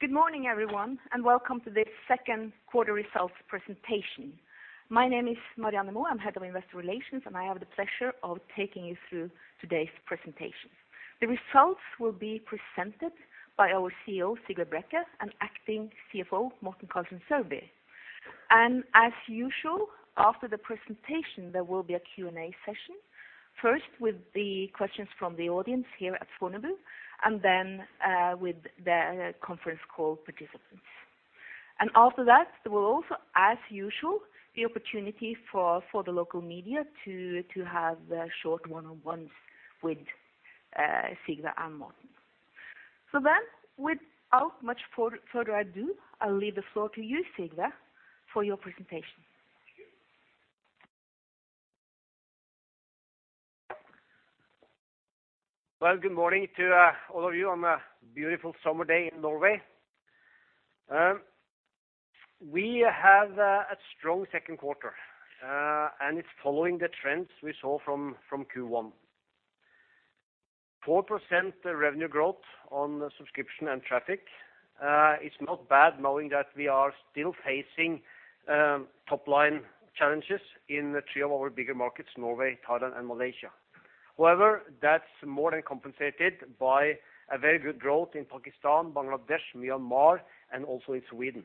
Good morning, everyone, and welcome to the second quarter results presentation. My name is Marianne Moe. I'm Head of Investor Relations, and I have the pleasure of taking you through today's presentation. The results will be presented by our CEO, Sigve Brekke, and acting CFO, Morten Karlsen Sørby. And as usual, after the presentation, there will be a Q&A session, first with the questions from the audience here at Fornebu, and then with the conference call participants. And after that, there will also, as usual, the opportunity for the local media to have their short one-on-ones with Sigve and Morten. So then, without much further ado, I'll leave the floor to you, Sigve, for your presentation. Thank you. Well, good morning to all of you on a beautiful summer day in Norway. We have a strong second quarter, and it's following the trends we saw from Q1. 4% revenue growth on subscription and traffic is not bad, knowing that we are still facing top-line challenges in the three of our bigger markets, Norway, Thailand, and Malaysia. However, that's more than compensated by a very good growth in Pakistan, Bangladesh, Myanmar, and also in Sweden.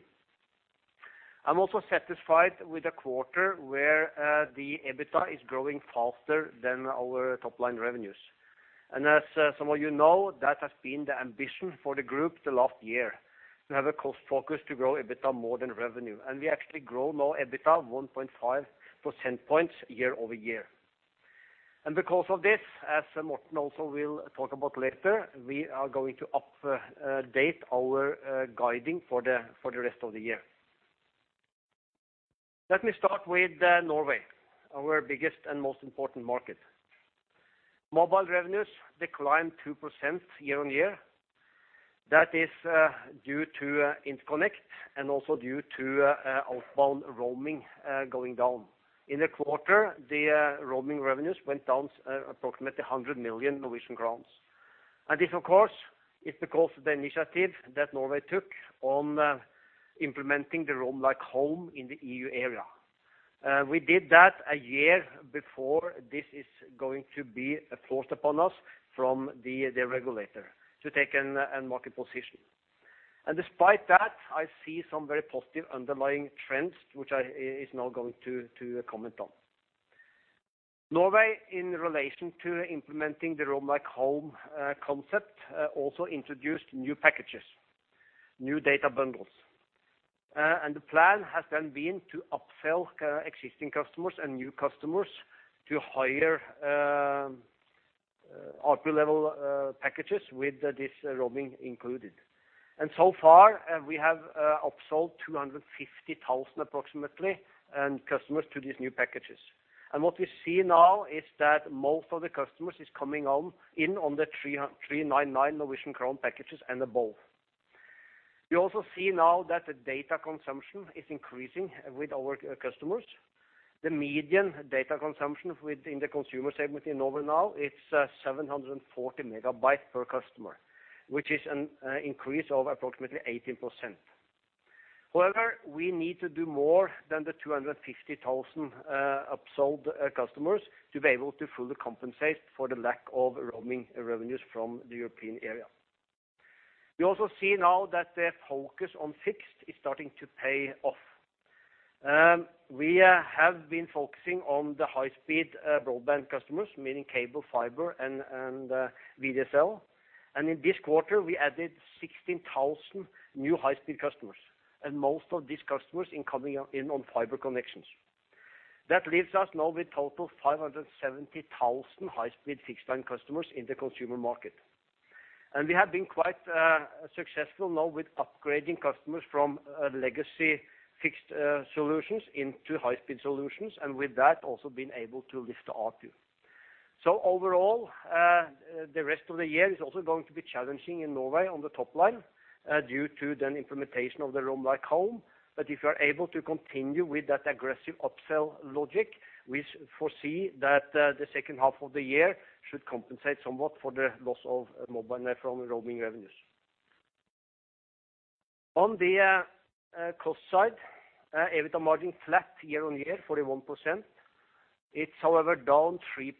I'm also satisfied with a quarter where the EBITDA is growing faster than our top-line revenues. And as some of you know, that has been the ambition for the group the last year, to have a cost focus to grow EBITDA more than revenue. And we actually grow now EBITDA 1.5 percentage points year-over-year. Because of this, as Morten also will talk about later, we are going to update our guidance for the rest of the year. Let me start with Norway, our biggest and most important market. Mobile revenues declined 2% year-on-year. That is due to interconnect and also due to outbound roaming going down. In the quarter, the roaming revenues went down approximately 100 million Norwegian crowns. And this, of course, is because of the initiative that Norway took on implementing the Roam Like Home in the EU area. We did that a year before this is going to be forced upon us from the regulator to take a market position. And despite that, I see some very positive underlying trends, which I'm now going to comment on. Norway, in relation to implementing the Roam Like Home concept, also introduced new packages, new data bundles. And the plan has then been to upsell existing customers and new customers to higher ARPU-level packages with this roaming included. And so far, we have upsold 250,000 approximately customers to these new packages. And what we see now is that most of the customers is coming home in on the 399 Norwegian crown packages and above. We also see now that the data consumption is increasing with our customers. The median data consumption within the consumer segment in Norway now is 740 MB per customer, which is an increase of approximately 18%. However, we need to do more than the 250,000 upsold customers to be able to fully compensate for the lack of roaming revenues from the European area. We also see now that the focus on fixed is starting to pay off. We have been focusing on the high-speed broadband customers, meaning cable, fiber, and VDSL. And in this quarter, we added 16,000 new high-speed customers, and most of these customers in coming in on fiber connections. That leaves us now with total 570,000 high-speed fixed line customers in the consumer market. And we have been quite successful now with upgrading customers from legacy fixed solutions into high-speed solutions, and with that, also been able to lift the ARPU. So overall, the rest of the year is also going to be challenging in Norway on the top line, due to the implementation of the Roam Like Home. But if you are able to continue with that aggressive upsell logic, we foresee that, the second half of the year should compensate somewhat for the loss of mobile net from roaming revenues. On the, cost side, EBITDA margin flat year-on-year, 41%. It's, however, down 3%,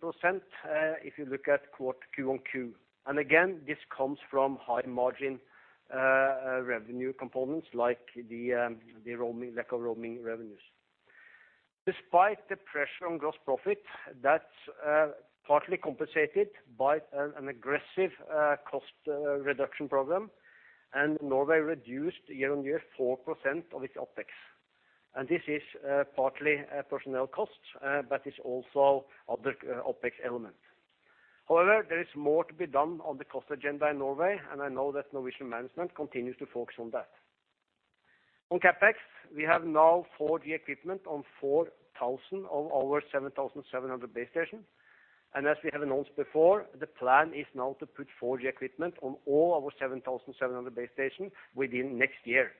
if you look at quarter-over-quarter. And again, this comes from high-margin, revenue components like the, the roaming, lack of roaming revenues. Despite the pressure on gross profit, that's, partly compensated by an, an aggressive, cost, reduction program, and Norway reduced year-on-year, 4% of its OpEx. And this is partly personnel costs, but it's also other OpEx elements. However, there is more to be done on the cost agenda in Norway, and I know that Norwegian management continues to focus on that. On CapEx, we have now 4G equipment on 4,000 of our 7,700 base stations. And as we have announced before, the plan is now to put 4G equipment on all our 7,700 base stations within next year.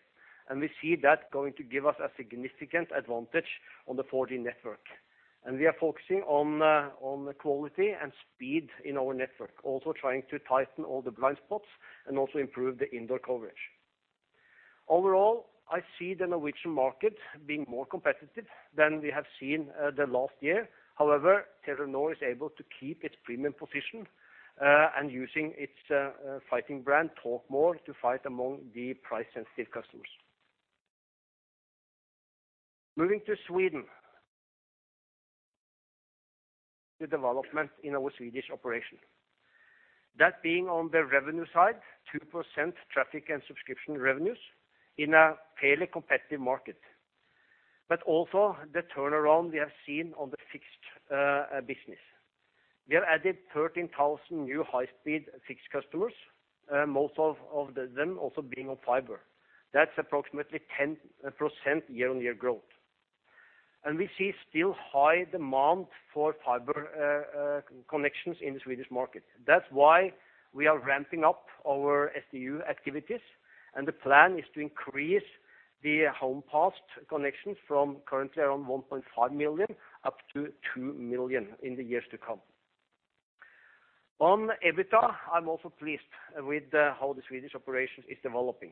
And we see that going to give us a significant advantage on the 4G network... and we are focusing on the quality and speed in our network, also trying to tighten all the blind spots and also improve the indoor coverage. Overall, I see the Norwegian market being more competitive than we have seen the last year. However, Telenor is able to keep its premium position, and using its fighting brand Talkmore to fight among the price-sensitive customers. Moving to Sweden, the development in our Swedish operation. That being on the revenue side, 2% traffic and subscription revenues in a fairly competitive market, but also the turnaround we have seen on the fixed business. We have added 13,000 new high-speed fixed customers, most of them also being on fiber. That's approximately 10% year-on-year growth. And we see still high demand for fiber connections in the Swedish market. That's why we are ramping up our SDU activities, and the plan is to increase the homes passed connections from currently around 1.5 million up to 2 million in the years to come. On the EBITDA, I'm also pleased with how the Swedish operation is developing.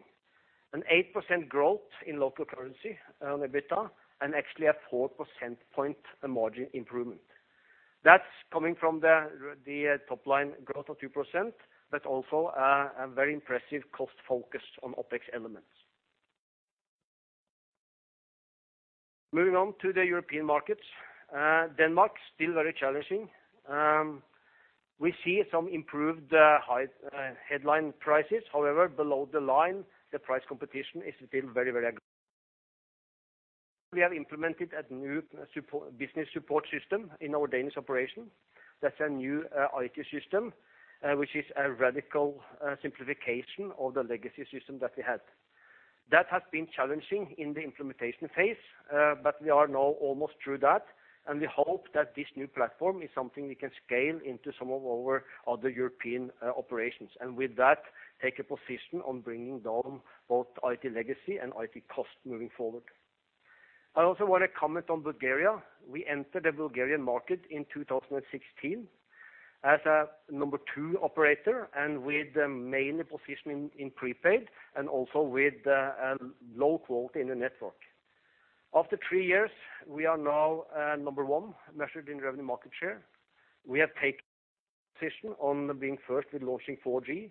An 8% growth in local currency on EBITDA, and actually a four percentage point margin improvement. That's coming from the top line growth of 2%, but also a very impressive cost focus on OpEx elements. Moving on to the European markets, Denmark, still very challenging. We see some improved headline prices. However, below the line, the price competition is still very, very aggressive. We have implemented a new support, business support system in our Danish operation. That's a new IT system, which is a radical simplification of the legacy system that we had. That has been challenging in the implementation phase, but we are now almost through that, and we hope that this new platform is something we can scale into some of our other European operations, and with that, take a position on bringing down both IT legacy and IT cost moving forward. I also want to comment on Bulgaria. We entered the Bulgarian market in 2016 as a number two operator, and with the main position in prepaid and also with a low quality in the network. After three years, we are now number one, measured in revenue market share. We have taken position on being first with launching 4G.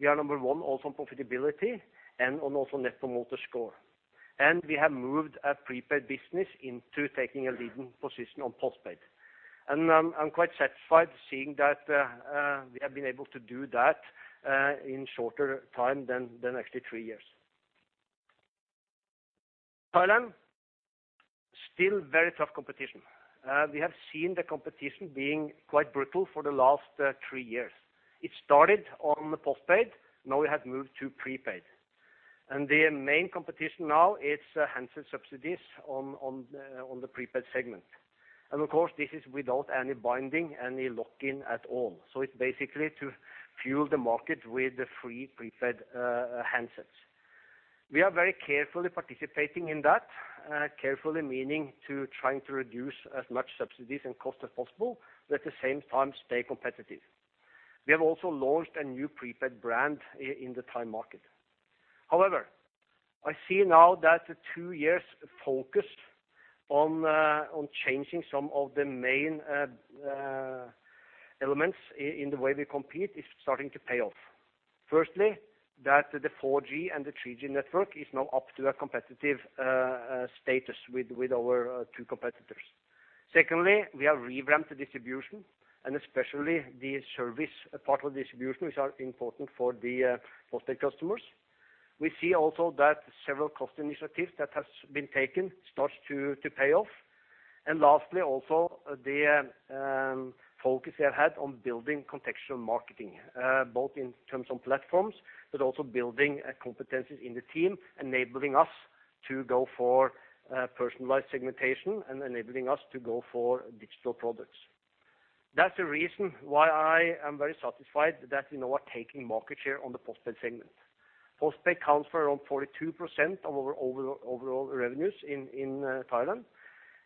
We are number one also on profitability and on also Net Promoter Score. And we have moved a prepaid business into taking a leading position on postpaid. I'm quite satisfied seeing that we have been able to do that in shorter time than actually three years. Thailand, still very tough competition. We have seen the competition being quite brutal for the last three years. It started on the postpaid, now it has moved to prepaid. And the main competition now is handset subsidies on the prepaid segment. And of course, this is without any binding, any lock-in at all. So it's basically to fuel the market with the free prepaid handsets. We are very carefully participating in that, carefully meaning to trying to reduce as much subsidies and cost as possible, but at the same time, stay competitive. We have also launched a new prepaid brand in the Thai market. However, I see now that the two years focused on changing some of the main elements in the way we compete is starting to pay off. Firstly, that the 4G and the 3G network is now up to a competitive status with our two competitors. Secondly, we have revamped the distribution and especially the service part of distribution, which are important for the postpaid customers. We see also that several cost initiatives that has been taken starts to pay off. And lastly, also, the focus we have had on building contextual marketing, both in terms of platforms, but also building a competency in the team, enabling us to go for personalized segmentation and enabling us to go for digital products. That's the reason why I am very satisfied that we now are taking market share on the postpaid segment. Postpaid accounts for around 42% of our overall revenues in Thailand,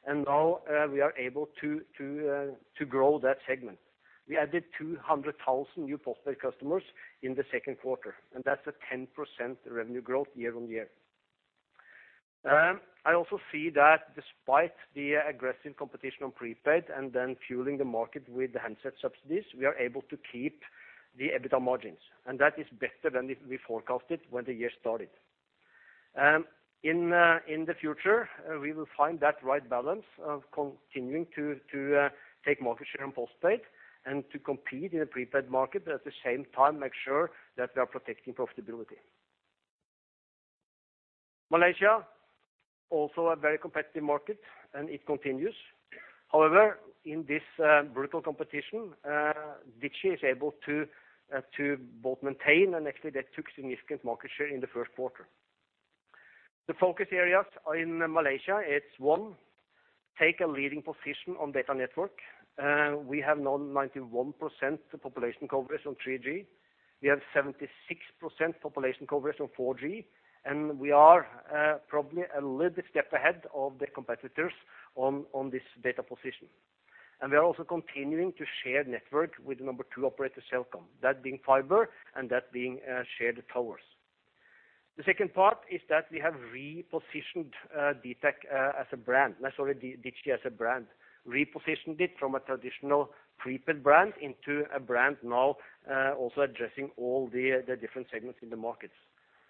and now we are able to grow that segment. We added 200,000 new postpaid customers in the second quarter, and that's a 10% revenue growth year-on-year. I also see that despite the aggressive competition on prepaid and then fueling the market with the handset subsidies, we are able to keep the EBITDA margins, and that is better than we forecasted when the year started. In the future, we will find that right balance of continuing to take market share on postpaid and to compete in the prepaid market, but at the same time, make sure that we are protecting profitability. Malaysia, also a very competitive market, and it continues. However, in this brutal competition, Digi is able to both maintain and actually they took significant market share in the first quarter. The focus areas in Malaysia, it's one, take a leading position on data network. We have now 91% population coverage on 3G. We have 76% population coverage on 4G, and we are probably a little bit step ahead of the competitors on this data position. And we are also continuing to share network with number two operator, Celcom, that being fiber and that being shared towers. The second part is that we have repositioned Ditech as a brand, sorry, Digi as a brand. Repositioned it from a traditional prepaid brand into a brand now also addressing all the different segments in the markets.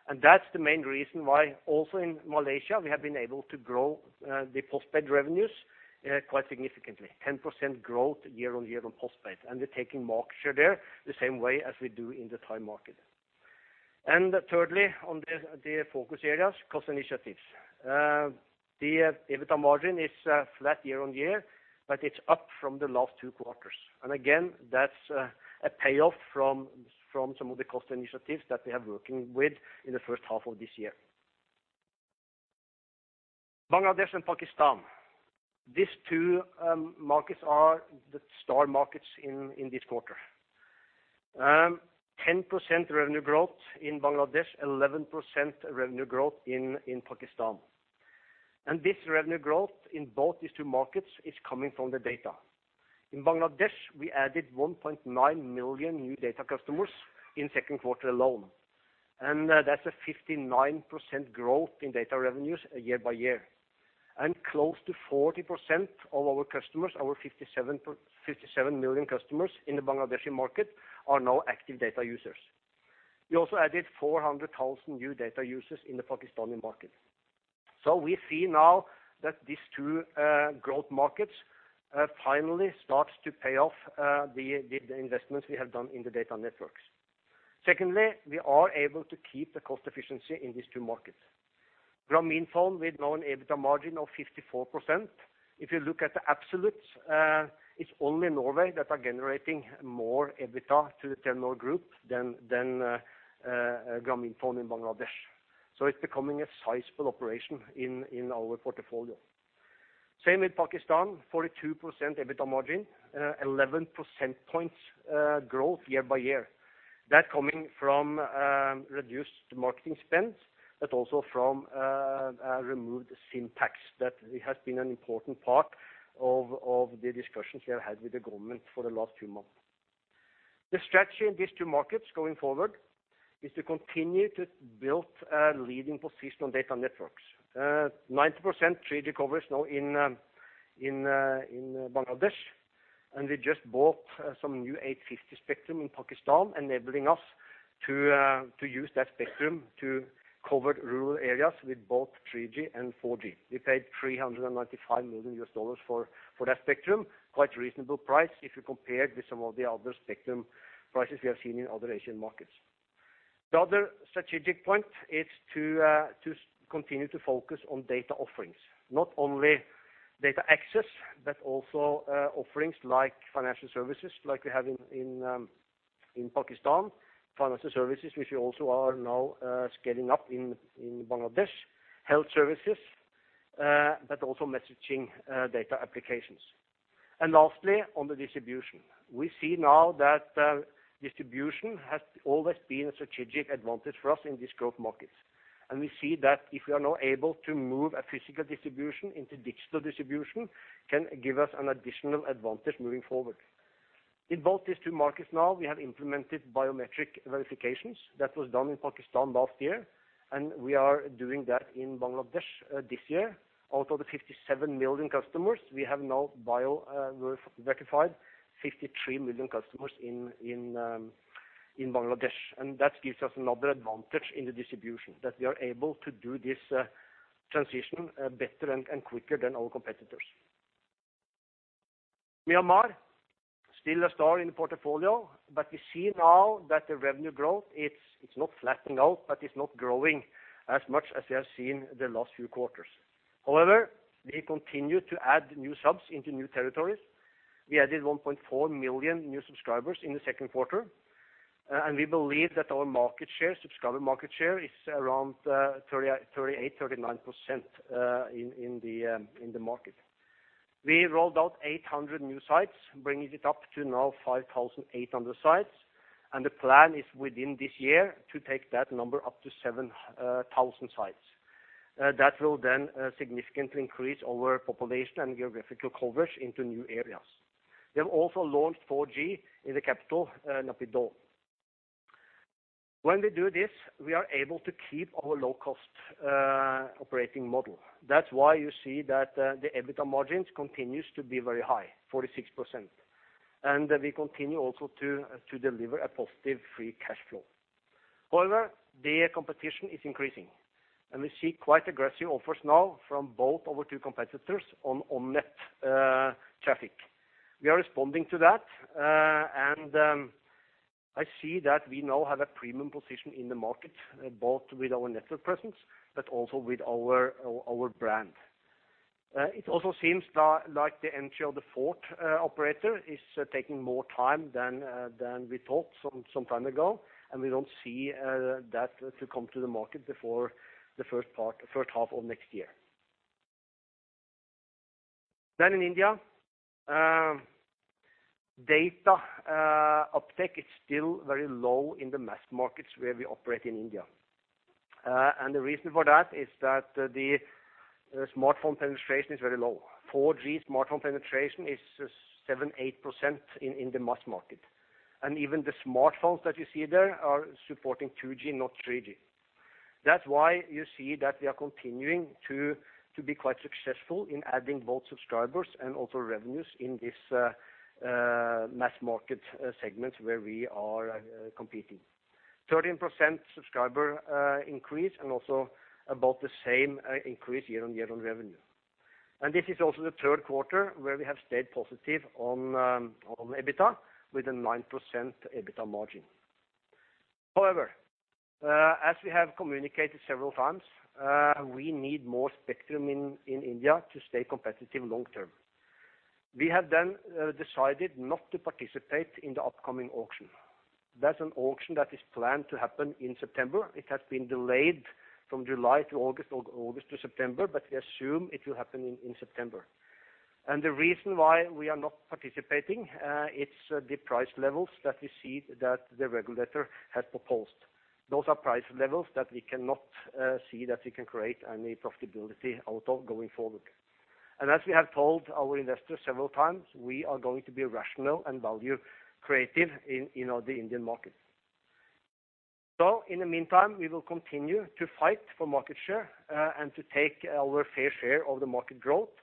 And that's the main reason why also in Malaysia, we have been able to grow the postpaid revenues quite significantly, 10% growth year-on-year on postpaid, and we're taking market share there the same way as we do in the Thai market. And thirdly, on the focus areas, cost initiatives. The EBITDA margin is flat year-on-year, but it's up from the last two quarters. And again, that's a payoff from some of the cost initiatives that we have working with in the first half of this year. Bangladesh and Pakistan. These two markets are the star markets in this quarter. 10% revenue growth in Bangladesh, 11% revenue growth in Pakistan. And this revenue growth in both these two markets is coming from the data. In Bangladesh, we added 1.9 million new data customers in second quarter alone, and that's a 59% growth in data revenues year-over-year. Close to 40% of our customers, our 57 million customers in the Bangladeshi market, are now active data users. We also added 400,000 new data users in the Pakistani market. So we see now that these two growth markets finally starts to pay off the investments we have done in the data networks. Secondly, we are able to keep the cost efficiency in these two markets. Grameenphone with now an EBITDA margin of 54%. If you look at the absolutes, it's only Norway that are generating more EBITDA to the Telenor Group than Grameenphone in Bangladesh. So it's becoming a sizable operation in our portfolio. Same with Pakistan, 42% EBITDA margin, 11 percentage points growth year-over-year. That coming from reduced marketing spends, but also from removed SIM tax, that it has been an important part of the discussions we have had with the government for the last few months. The strategy in these two markets going forward is to continue to build a leading position on data networks. 90% 3G coverage now in Bangladesh, and we just bought some new 850 spectrum in Pakistan, enabling us to use that spectrum to cover rural areas with both 3G and 4G. We paid $395 million for that spectrum. Quite reasonable price if you compare with some of the other spectrum prices we have seen in other Asian markets. The other strategic point is to continue to focus on data offerings, not only data access, but also offerings like financial services, like we have in Pakistan. Financial services, which we also are now scaling up in Bangladesh, health services, but also messaging, data applications. And lastly, on the distribution. We see now that distribution has always been a strategic advantage for us in these growth markets, and we see that if we are now able to move a physical distribution into digital distribution, can give us an additional advantage moving forward. In both these two markets now, we have implemented biometric verifications. That was done in Pakistan last year, and we are doing that in Bangladesh this year. Out of the 57 million customers, we have now biometrically verified 53 million customers in Bangladesh. And that gives us another advantage in the distribution, that we are able to do this transition better and quicker than our competitors. Myanmar, still a star in the portfolio, but we see now that the revenue growth, it's not flattening out, but it's not growing as much as we have seen the last few quarters. However, we continue to add new subs into new territories. We added 1.4 million new subscribers in the second quarter, and we believe that our market share, subscriber market share, is around 38-39%, in the market. We rolled out 800 new sites, bringing it up to now 5,800 sites, and the plan is within this year to take that number up to 7,000 sites. That will then significantly increase our population and geographical coverage into new areas. We have also launched 4G in the capital, Naypyidaw. When we do this, we are able to keep our low-cost operating model. That's why you see that the EBITDA margins continues to be very high, 46%, and we continue also to deliver a positive free cash flow. However, the competition is increasing, and we see quite aggressive offers now from both our two competitors on net traffic. We are responding to that, and I see that we now have a premium position in the market, both with our network presence, but also with our brand. It also seems like the entry of the fourth operator is taking more time than we thought some time ago, and we don't see that to come to the market before the first half of next year. Then in India, data uptake is still very low in the mass markets where we operate in India. And the reason for that is that the smartphone penetration is very low. 4G smartphone penetration is 7-8% in the mass market, and even the smartphones that you see there are supporting 2G, not 3G. That's why you see that we are continuing to be quite successful in adding both subscribers and also revenues in this mass market segments where we are competing. 13% subscriber increase, and also about the same increase year-on-year on revenue. This is also the third quarter where we have stayed positive on EBITDA, with a 9% EBITDA margin. However, as we have communicated several times, we need more spectrum in India to stay competitive long term. We have then decided not to participate in the upcoming auction. That's an auction that is planned to happen in September. It has been delayed from July to August, or August to September, but we assume it will happen in September. The reason why we are not participating, it's the price levels that we see that the regulator has proposed. Those are price levels that we cannot see that we can create any profitability out of going forward. And as we have told our investors several times, we are going to be rational and value creative in, in all the Indian markets. So in the meantime, we will continue to fight for market share, and to take our fair share of the market growth,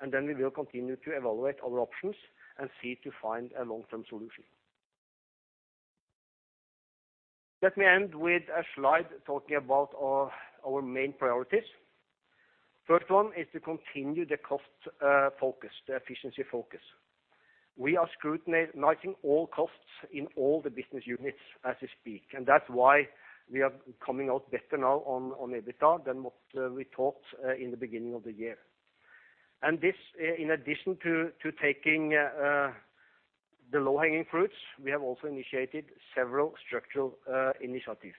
and then we will continue to evaluate our options and see to find a long-term solution. Let me end with a slide talking about our, our main priorities. First one is to continue the cost, focus, the efficiency focus. We are scrutinizing all costs in all the business units as we speak, and that's why we are coming out better now on EBITDA than what we thought in the beginning of the year. And this, in addition to taking the low-hanging fruits, we have also initiated several structural initiatives,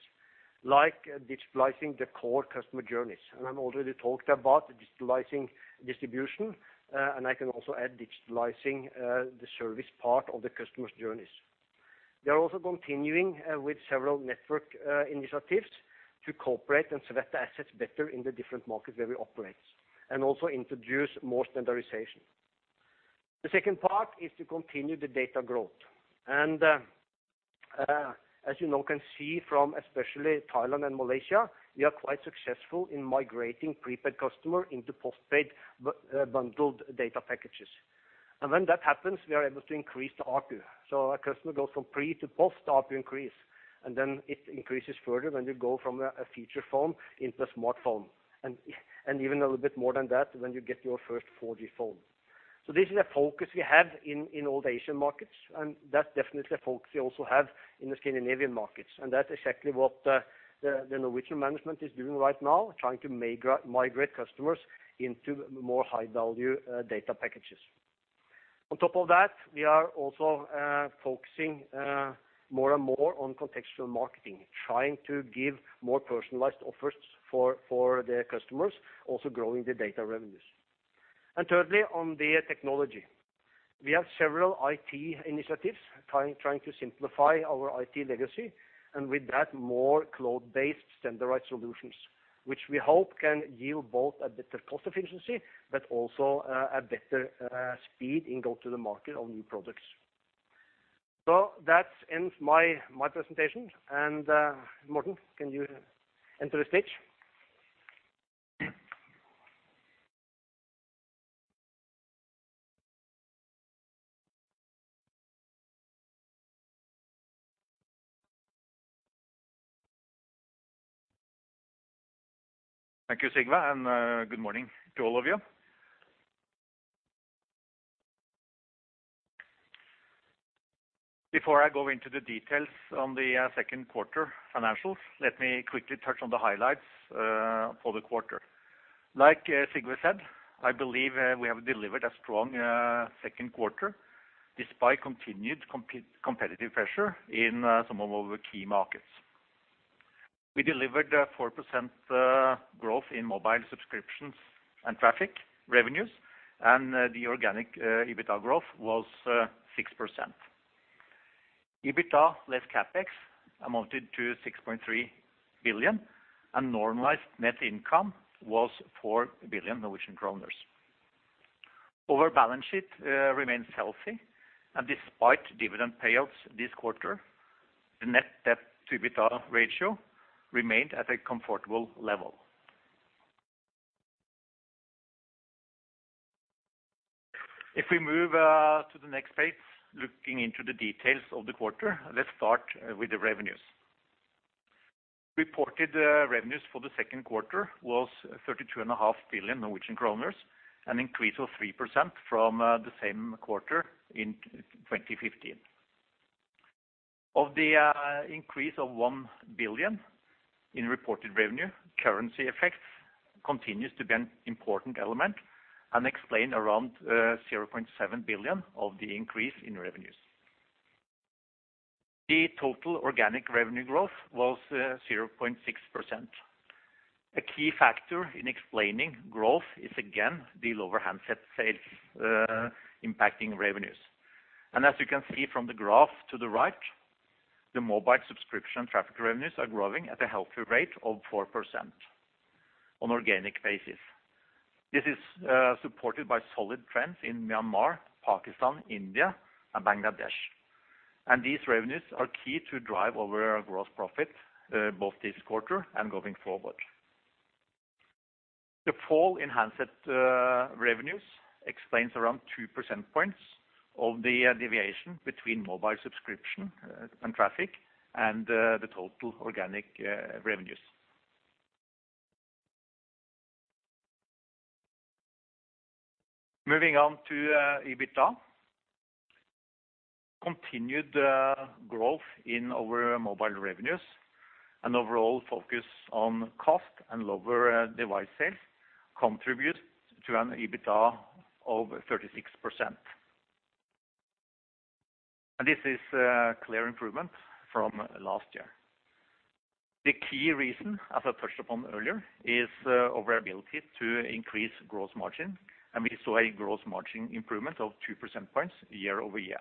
like digitalizing the core customer journeys. And I've already talked about digitalizing distribution, and I can also add digitalizing the service part of the customer's journeys. We are also continuing with several network initiatives to cooperate and select the assets better in the different markets where we operate, and also introduce more standardization. The second part is to continue the data growth. And, as you now can see from especially Thailand and Malaysia, we are quite successful in migrating prepaid customer into postpaid bundled data packages. And when that happens, we are able to increase the ARPU. So a customer goes from pre to post, ARPU increase, and then it increases further when you go from a feature phone into a smartphone, and even a little bit more than that when you get your first 4G phone. So this is a focus we have in all the Asian markets, and that's definitely a focus we also have in the Scandinavian markets. And that's exactly what the Norwegian management is doing right now, trying to migrate customers into more high-value data packages. On top of that, we are also focusing more and more on contextual marketing, trying to give more personalized offers for the customers, also growing the data revenues. And thirdly, on the technology. We have several IT initiatives trying to simplify our IT legacy, and with that, more cloud-based standardized solutions, which we hope can yield both a better cost efficiency, but also, a better speed in go-to-the-market on new products. So that ends my presentation. And, Morten, can you enter the stage? Thank you, Sigve, and good morning to all of you. Before I go into the details on the second quarter financials, let me quickly touch on the highlights for the quarter. Like Sigve said, I believe we have delivered a strong second quarter, despite continued competitive pressure in some of our key markets. We delivered a 4% growth in mobile subscriptions and traffic revenues, and the organic EBITDA growth was 6%. EBITDA, less CapEx, amounted to 6.3 billion, and normalized net income was 4 billion Norwegian kroner. Our balance sheet remains healthy, and despite dividend payouts this quarter, the net debt-to-EBITDA ratio remained at a comfortable level. If we move to the next page, looking into the details of the quarter, let's start with the revenues. Reported revenues for the second quarter was 32.5 billion Norwegian kroner, an increase of 3% from the same quarter in 2015. Of the increase of 1 billion in reported revenue, currency effects continues to be an important element and explain around 0.7 billion of the increase in revenues. The total organic revenue growth was 0.6%. A key factor in explaining growth is, again, the lower handset sales impacting revenues. And as you can see from the graph to the right, the mobile subscription traffic revenues are growing at a healthy rate of 4% on organic basis. This is supported by solid trends in Myanmar, Pakistan, India, and Bangladesh. And these revenues are key to drive over our gross profit both this quarter and going forward. The fall in handset revenues explains around 2 percentage points of the deviation between mobile subscription and traffic, and the total organic revenues. Moving on to EBITDA. Continued growth in our mobile revenues, an overall focus on cost and lower device sales contribute to an EBITDA of 36%. And this is a clear improvement from last year. The key reason, as I touched upon earlier, is our ability to increase gross margin, and we saw a gross margin improvement of 2 percentage points year-over-year.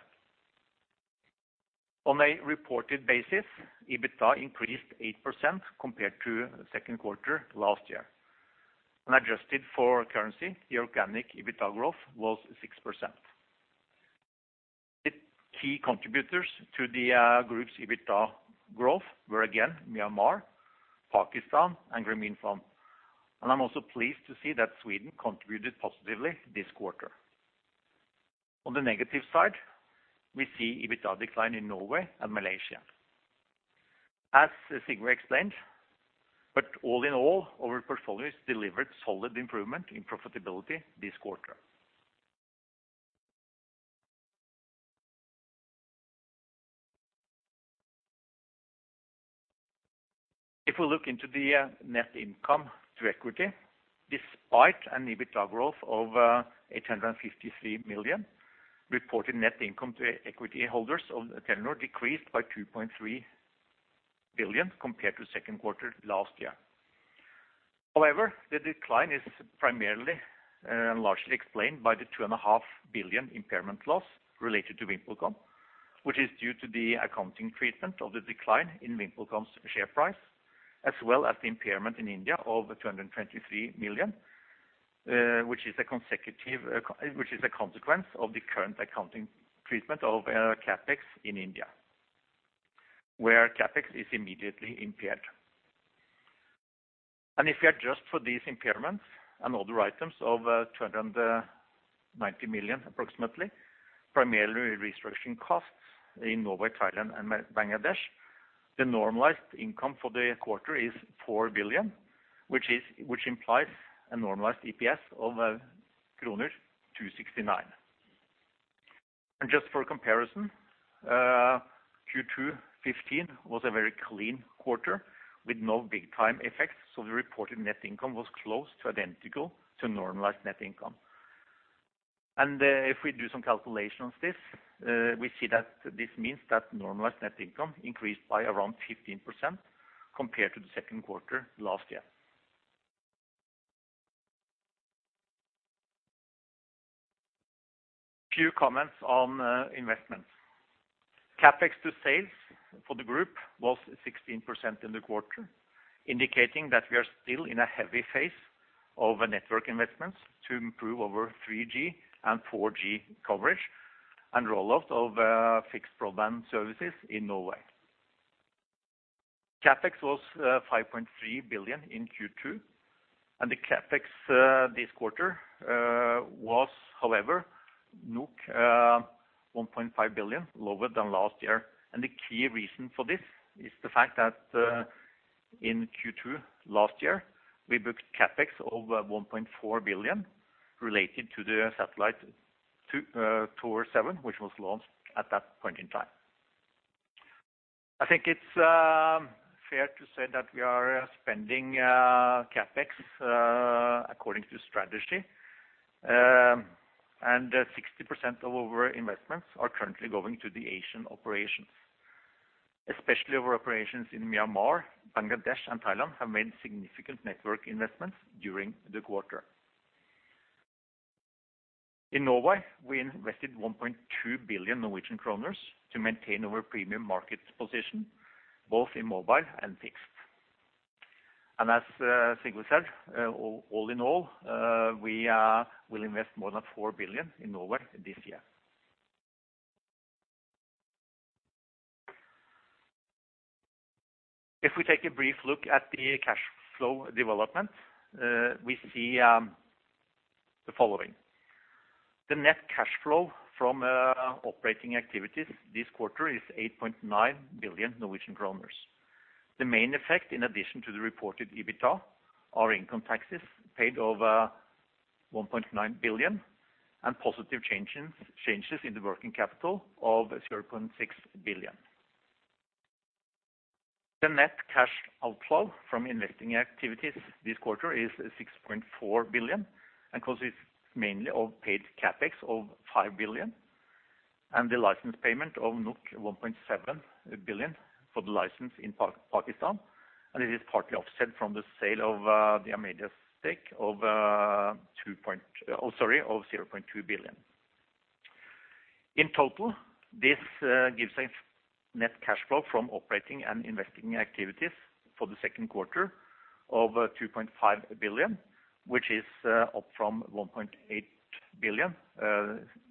On a reported basis, EBITDA increased 8% compared to the second quarter last year. When adjusted for currency, the organic EBITDA growth was 6%. The key contributors to the group's EBITDA growth were again, Myanmar, Pakistan, and Grameenphone. And I'm also pleased to see that Sweden contributed positively this quarter. On the negative side, we see EBITDA decline in Norway and Malaysia, as Sigve explained. But all in all, our portfolios delivered solid improvement in profitability this quarter. If we look into the net income to equity, despite an EBITDA growth of 853 million, reported net income to equity holders of Telenor decreased by 2.3 billion compared to second quarter last year. However, the decline is primarily and largely explained by the 2.5 billion impairment loss related to VimpelCom, which is due to the accounting treatment of the decline in VimpelCom's share price, as well as the impairment in India of 223 million, which is a consequence of the current accounting treatment of CapEx in India, where CapEx is immediately impaired. If you adjust for these impairments and other items of 290 million, approximately, primarily restructuring costs in Norway, Thailand, and Bangladesh, the normalized income for the quarter is 4 billion, which implies a normalized EPS of kroner 2.69. Just for comparison, Q2 2015 was a very clean quarter with no big time effects, so the reported net income was close to identical to normalized net income. If we do some calculation on this, we see that this means that normalized net income increased by around 15% compared to the second quarter last year. Few comments on investments. CapEx to sales for the group was 16% in the quarter, indicating that we are still in a heavy phase of network investments to improve our 3G and 4G coverage and rollout of fixed broadband services in Norway. CapEx was 5.3 billion NOK in Q2, and the CapEx this quarter was, however, 1.5 billion lower than last year. The key reason for this is the fact that in Q2 last year, we booked CapEx of 1.4 billion NOK related to the satellite Thor 7, which was launched at that point in time. I think it's fair to say that we are spending CapEx according to strategy, and 60% of our investments are currently going to the Asian operations. Especially our operations in Myanmar, Bangladesh, and Thailand have made significant network investments during the quarter. In Norway, we invested 1.2 billion Norwegian kroner to maintain our premium market position, both in mobile and fixed. As Sigve said, all in all, we will invest more than 4 billion in Norway this year. If we take a brief look at the cash flow development, we see the following: The net cash flow from operating activities this quarter is 8.9 billion Norwegian kroner. The main effect, in addition to the reported EBITDA, are income taxes paid over 1.9 billion, and positive changes in the working capital of 0.6 billion. The net cash outflow from investing activities this quarter is 6.4 billion, and consists mainly of paid CapEx of 5 billion, and the license payment of 1.7 billion for the license in Pakistan, and it is partly offset from the sale of the Amedia stake of 0.2 billion. In total, this gives a net cash flow from operating and investing activities for the second quarter of 2.5 billion, which is up from 1.8 billion,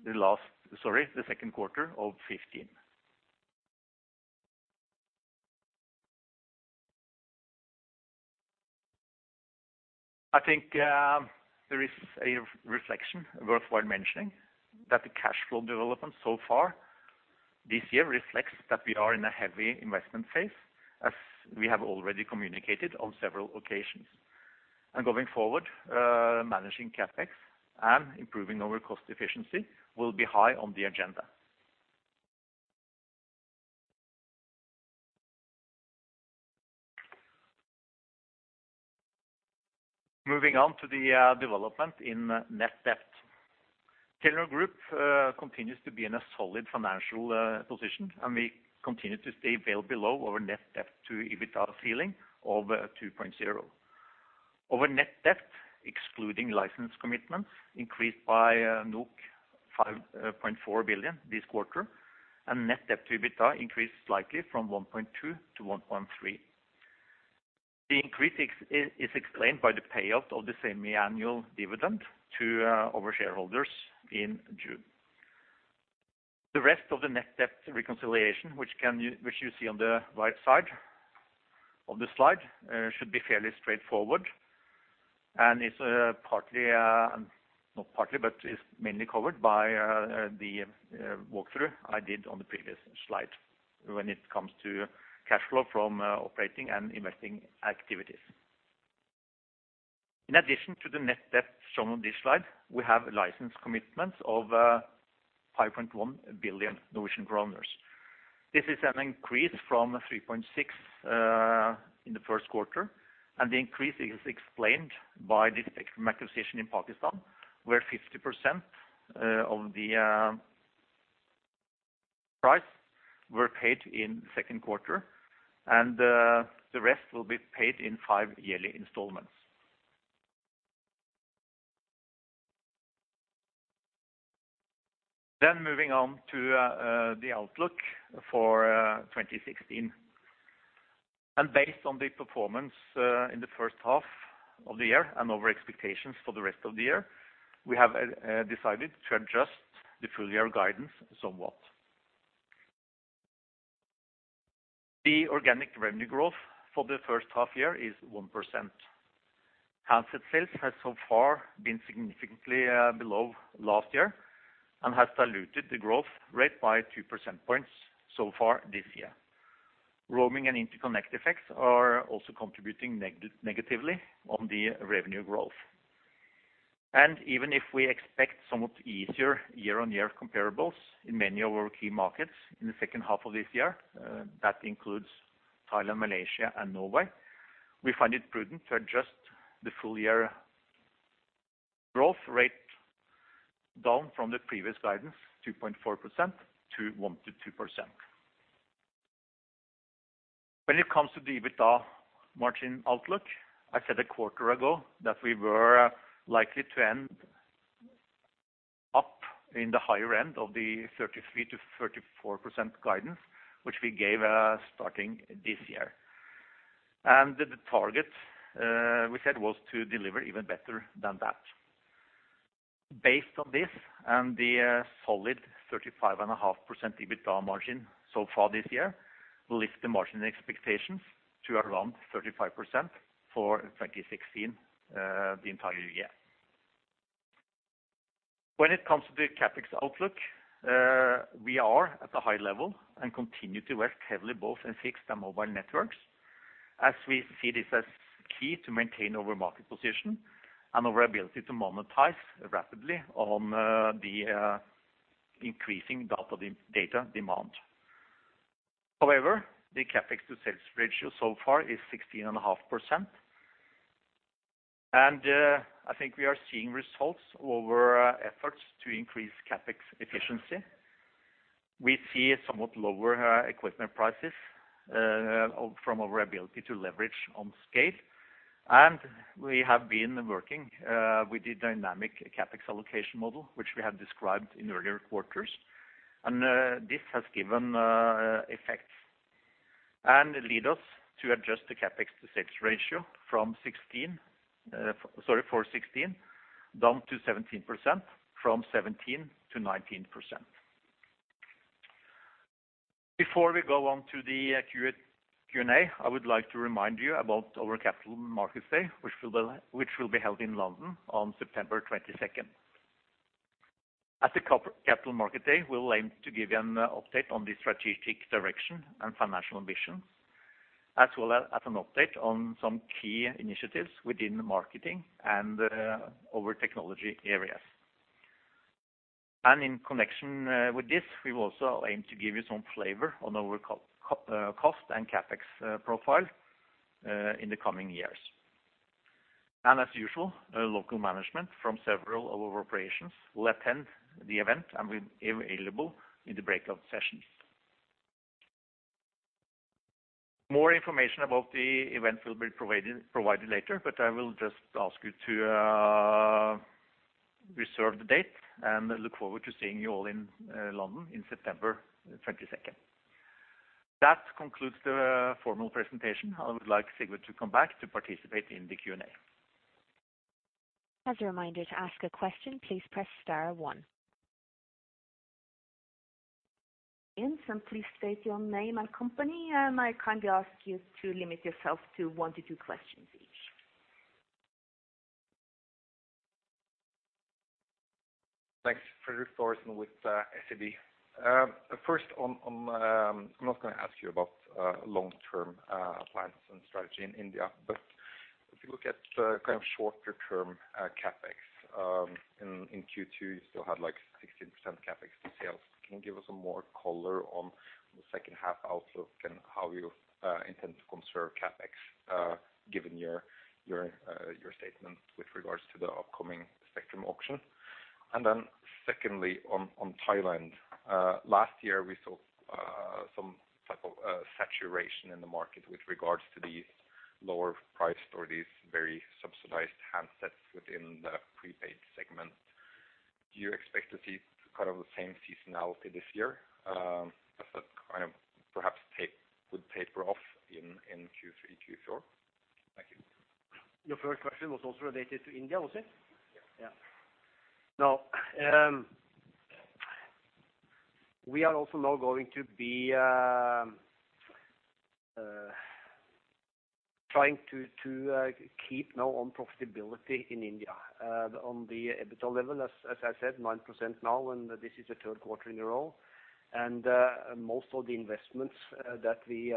the second quarter of 2015. I think there is a reflection worthwhile mentioning, that the cash flow development so far this year reflects that we are in a heavy investment phase, as we have already communicated on several occasions. Going forward, managing CapEx and improving our cost efficiency will be high on the agenda. Moving on to the development in net debt. Telenor Group continues to be in a solid financial position, and we continue to stay well below our net debt to EBITDA ceiling of 2.0. Our net debt, excluding license commitments, increased by 5.4 billion this quarter, and net debt to EBITDA increased slightly from 1.2 to 1.3. The increase is explained by the payout of the semi-annual dividend to our shareholders in June. The rest of the net debt reconciliation, which you see on the right side of the slide, should be fairly straightforward, and is, partly, not partly, but is mainly covered by the walkthrough I did on the previous slide when it comes to cash flow from operating and investing activities. In addition to the net debt shown on this slide, we have license commitments of 5.1 billion Norwegian kroner. This is an increase from 3.6 billion in the first quarter, and the increase is explained by the Tameer acquisition in Pakistan, where 50% of the price were paid in the second quarter, and the rest will be paid in five yearly installments. Then moving on to the outlook for 2016. Based on the performance in the first half of the year and our expectations for the rest of the year, we have decided to adjust the full year guidance somewhat. The organic revenue growth for the first half year is 1%. Handset sales has so far been significantly below last year and has diluted the growth rate by 2 percentage points so far this year. Roaming and interconnect effects are also contributing negatively on the revenue growth. Even if we expect somewhat easier year-on-year comparables in many of our key markets in the second half of this year, that includes Thailand, Malaysia, and Norway, we find it prudent to adjust the full year growth rate down from the previous guidance, 2.4% to 1%-2%. When it comes to the EBITDA margin outlook, I said a quarter ago that we were likely to end up in the higher end of the 33%-34% guidance, which we gave, starting this year. The target, we said, was to deliver even better than that. Based on this and the solid 35.5% EBITDA margin so far this year, lift the margin expectations to around 35% for 2016, the entire year. When it comes to the CapEx outlook, we are at a high level and continue to work heavily both in fixed and mobile networks, as we see this as key to maintain our market position and our ability to monetize rapidly on the increasing data demand. However, the CapEx to sales ratio so far is 16.5%, and, I think we are seeing results over our efforts to increase CapEx efficiency. We see somewhat lower, equipment prices, from our ability to leverage on scale, and we have been working, with the dynamic CapEx allocation model, which we have described in earlier quarters, and, this has given, effects, and it led us to adjust the CapEx to sales ratio from 16, sorry, from 16 down to 17%, from 17% to 19%. Before we go on to the Q&A, Q&A, I would like to remind you about our Capital Markets Day, which will be, which will be held in London on September 22nd. At the Capital Market Day, we'll aim to give you an update on the strategic direction and financial ambitions, as well as an update on some key initiatives within the marketing and our technology areas. In connection with this, we will also aim to give you some flavor on our cost and CapEx profile in the coming years. As usual, our local management from several of our operations will attend the event and be available in the breakout sessions. More information about the event will be provided later, but I will just ask you to reserve the date, and look forward to seeing you all in London in September 22nd. That concludes the formal presentation. I would like Sigve to come back to participate in the Q&A. As a reminder, to ask a question, please press star one. And please state your name and company, and I kindly ask you to limit yourself to 1-2 questions each. Thanks, Fredrik Thoresen with SEB. First on, I'm not gonna ask you about long-term plans and strategy in India, but if you look at the kind of shorter term, CapEx in Q2, you still had like 16% CapEx to sales. Can you give us some more color on the second half outlook and how you intend to conserve CapEx, given your statement with regards to the upcoming spectrum auction? And then secondly, on Thailand, last year, we saw some type of saturation in the market with regards to these lower priced or these very subsidized handsets within the prepaid segment. Do you expect to see kind of the same seasonality this year, as that kind of perhaps would taper off in Q3, Q4? Thank you. Your first question was also related to India, was it? Yeah. Yeah. Now, we are also now going to be trying to keep now on profitability in India on the EBITDA level, as I said, 9% now, and this is the third quarter in a row. And, most of the investments that we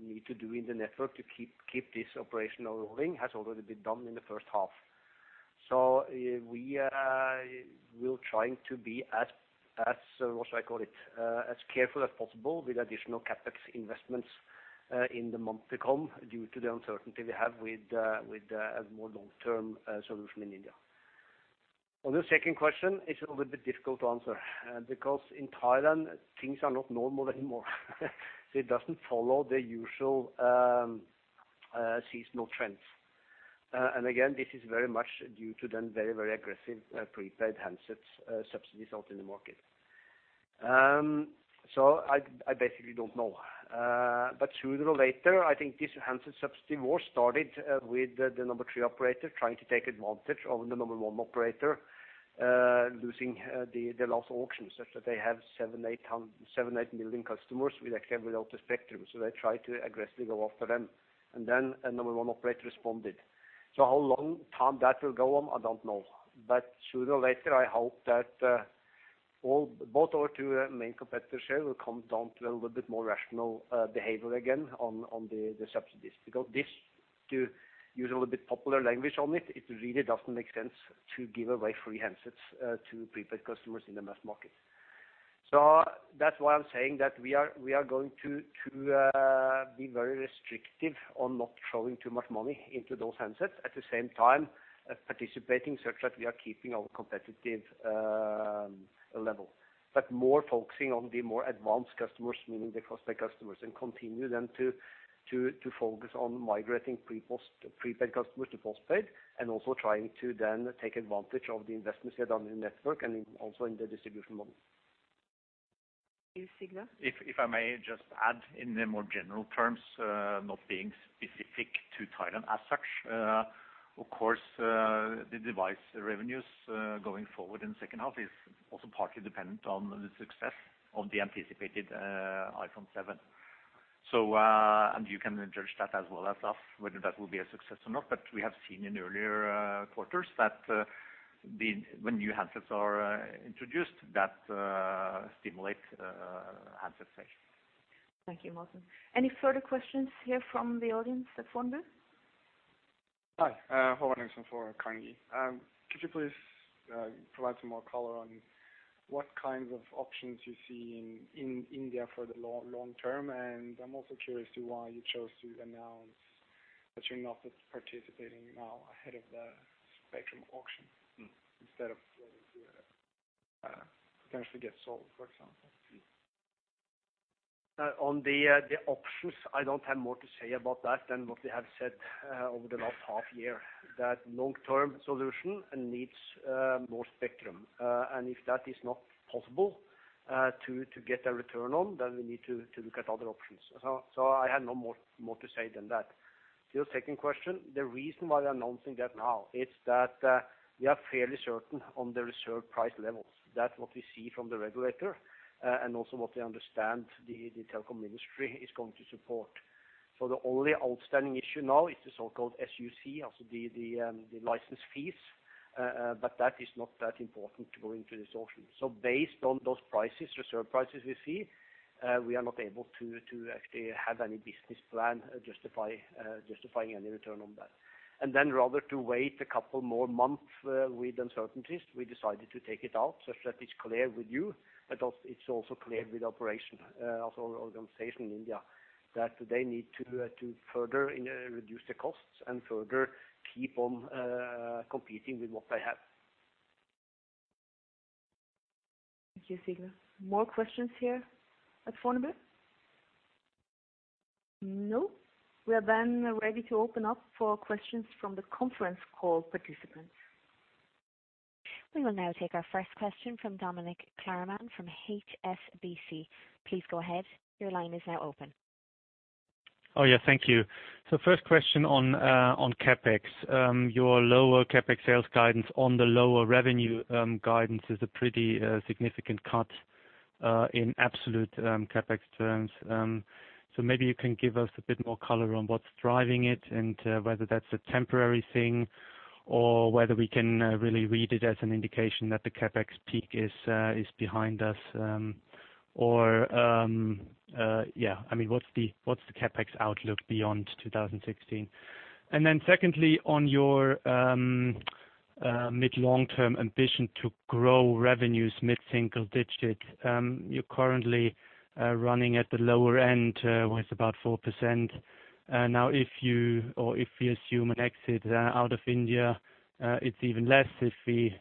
need to do in the network to keep this operational rolling has already been done in the first half. So we will try to be as, as, what should I call it, as careful as possible with additional CapEx investments in the months to come, due to the uncertainty we have with a more long-term solution in India. On the second question, it's a little bit difficult to answer because in Thailand, things are not normal anymore. It doesn't follow the usual seasonal trends. Again, this is very much due to the very, very aggressive prepaid handsets subsidies out in the market. So I basically don't know. But sooner or later, I think this handset subsidy war started with the number three operator trying to take advantage of the number one operator losing the last auction, such that they have 7-8 million customers actually without the spectrum, so they try to aggressively go after them. And then, a number one operator responded. So how long time that will go on, I don't know. But sooner or later, I hope that both our two main competitors here will come down to a little bit more rational behavior again on the subsidies. Because this, to use a little bit popular language on it, it really doesn't make sense to give away free handsets to prepaid customers in the mass market. So that's why I'm saying that we are going to be very restrictive on not throwing too much money into those handsets. At the same time, participating such that we are keeping our competitive level. But more focusing on the more advanced customers, meaning the postpaid customers, and continue then to focus on migrating prepaid customers to postpaid, and also trying to then take advantage of the investments we have done in the network and also in the distribution model. Thank you, Sigve. If I may just add in the more general terms, not being specific to Thailand as such, of course, the device revenues going forward in the second half is also partly dependent on the success of the anticipated iPhone 7. So, and you can judge that as well as us, whether that will be a success or not, but we have seen in earlier quarters that when new handsets are introduced, that stimulate handset sales. Thank you, Morten. Any further questions here from the audience at Wonder? Hi, Howard Anderson for Carnegie. Could you please provide some more color on what kinds of options you see in, in India for the long, long term? And I'm also curious to why you chose to announce that you're not participating now ahead of the spectrum auction, instead of potentially get sold, for example? On the options, I don't have more to say about that than what we have said over the last half year, that long-term solution needs more spectrum. And if that is not possible to get a return on, then we need to look at other options. So I have no more to say than that. Your second question, the reason why we are announcing that now, it's that we are fairly certain on the reserved price levels. That's what we see from the regulator, and also what we understand the telecom industry is going to support. So the only outstanding issue now is the so-called SUC, also the license fees, but that is not that important to go into this auction. Based on those prices, reserve prices we see, we are not able to actually have any business plan justify justifying any return on that. Then rather to wait a couple more months with uncertainties, we decided to take it out such that it's clear with you, but also it's also clear with operation, also our organization in India, that they need to further reduce the costs and further keep on competing with what they have. Thank you, Sigve. More questions here at Fornebu? No. We are then ready to open up for questions from the conference call participants. We will now take our first question from Dominic Sheridan from HSBC. Please go ahead. Your line is now open. Oh, yeah, thank you. So first question on, on CapEx. Your lower CapEx sales guidance on the lower revenue, guidance is a pretty, significant cut, in absolute, CapEx terms. So maybe you can give us a bit more color on what's driving it, and, whether that's a temporary thing or whether we can, really read it as an indication that the CapEx peak is behind us, or, yeah. I mean, what's the CapEx outlook beyond 2016? And then secondly, on your, mid-long term ambition to grow revenues mid-single digit, you're currently, running at the lower end, with about 4%. Now, if you or if we assume an exit out of India, it's even less. If we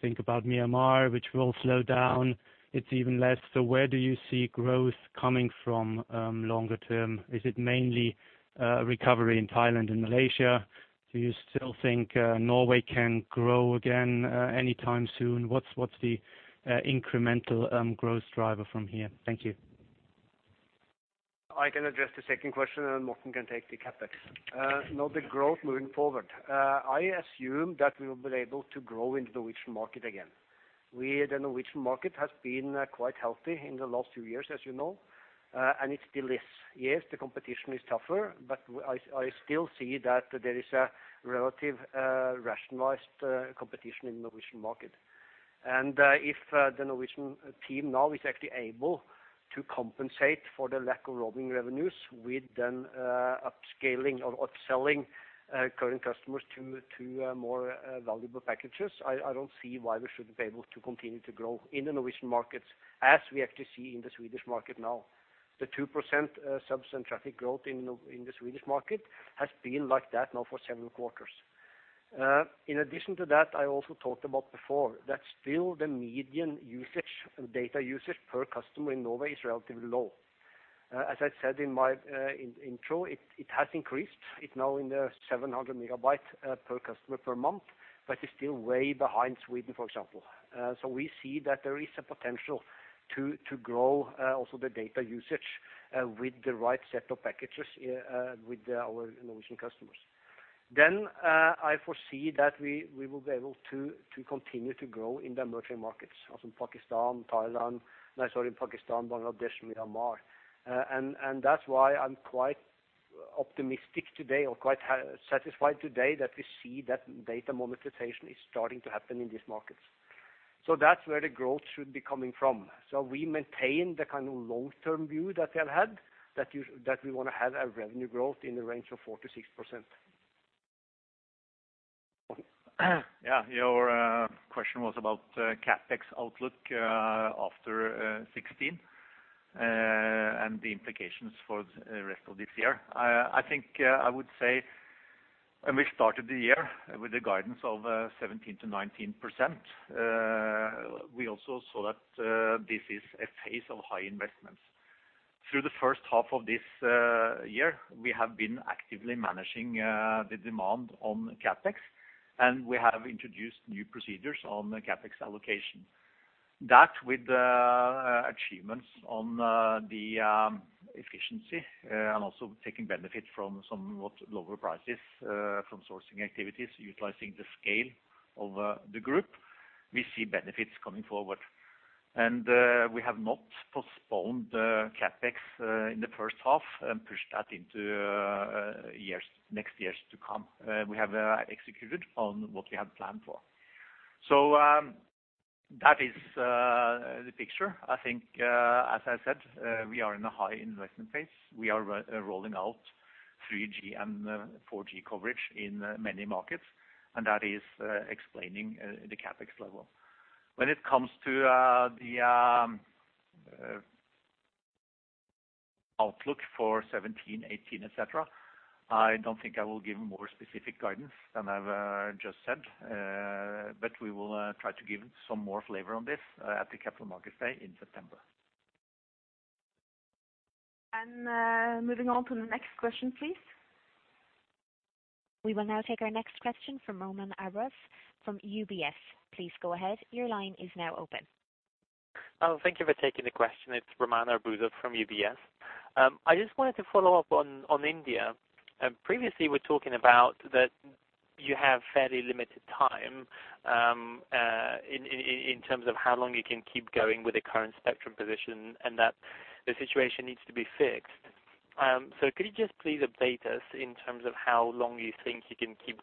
think about Myanmar, which will slow down, it's even less. So where do you see growth coming from, longer term? Is it mainly recovery in Thailand and Malaysia? Do you still think Norway can grow again anytime soon? What's the incremental growth driver from here? Thank you. I can address the second question, and Morten can take the CapEx. Now the growth moving forward. I assume that we will be able to grow in the Norwegian market again. We, the Norwegian market has been quite healthy in the last few years, as you know, and it still is. Yes, the competition is tougher, but I still see that there is a relative rationalized competition in the Norwegian market. And if the Norwegian team now is actually able to compensate for the lack of roaming revenues with then upscaling or upselling current customers to more valuable packages, I don't see why we shouldn't be able to continue to grow in the Norwegian markets, as we actually see in the Swedish market now. The 2%, subs and traffic growth in the Swedish market has been like that now for several quarters. In addition to that, I also talked about before, that still the median usage, data usage per customer in Norway is relatively low. As I said in my intro, it has increased. It's now 700 MB per customer per month, but it's still way behind Sweden, for example. So we see that there is a potential to grow also the data usage with the right set of packages with our Norwegian customers. Then I foresee that we will be able to continue to grow in the emerging markets, as in Pakistan, Thailand, and also in Pakistan, Bangladesh, Myanmar. That's why I'm quite optimistic today, or quite satisfied today that we see that data monetization is starting to happen in these markets. So that's where the growth should be coming from. So we maintain the kind of long-term view that we have had, that we wanna have a revenue growth in the range of 4%-6%. Yeah. Your question was about CapEx outlook after 2016 and the implications for the rest of this year. I think I would say, and we started the year with a guidance of 17%-19%. We also saw that this is a phase of high investments. Through the first half of this year, we have been actively managing the demand on CapEx, and we have introduced new procedures on the CapEx allocation. That, with the achievements on the efficiency, and also taking benefit from somewhat lower prices from sourcing activities, utilizing the scale of the group, we see benefits coming forward. And we have not postponed the CapEx in the first half and pushed that into years, next years to come. We have executed on what we had planned for. So, that is the picture. I think, as I said, we are in a high investment phase. We are rolling out 3G and 4G coverage in many markets, and that is explaining the CapEx level. When it comes to the outlook for 2017, 2018, et cetera, I don't think I will give more specific guidance than I've just said. But we will try to give some more flavor on this at the Capital Markets Day in September. Moving on to the next question, please. We will now take our next question from Roman Arbuzov from UBS. Please go ahead. Your line is now open. Thank you for taking the question. It's Roman Arbuzov from UBS. I just wanted to follow up on, on India. And previously, we're talking about that-... you have fairly limited time, in terms of how long you can keep going with the current spectrum position, and that the situation needs to be fixed. So could you just please update us in terms of how long you think you can keep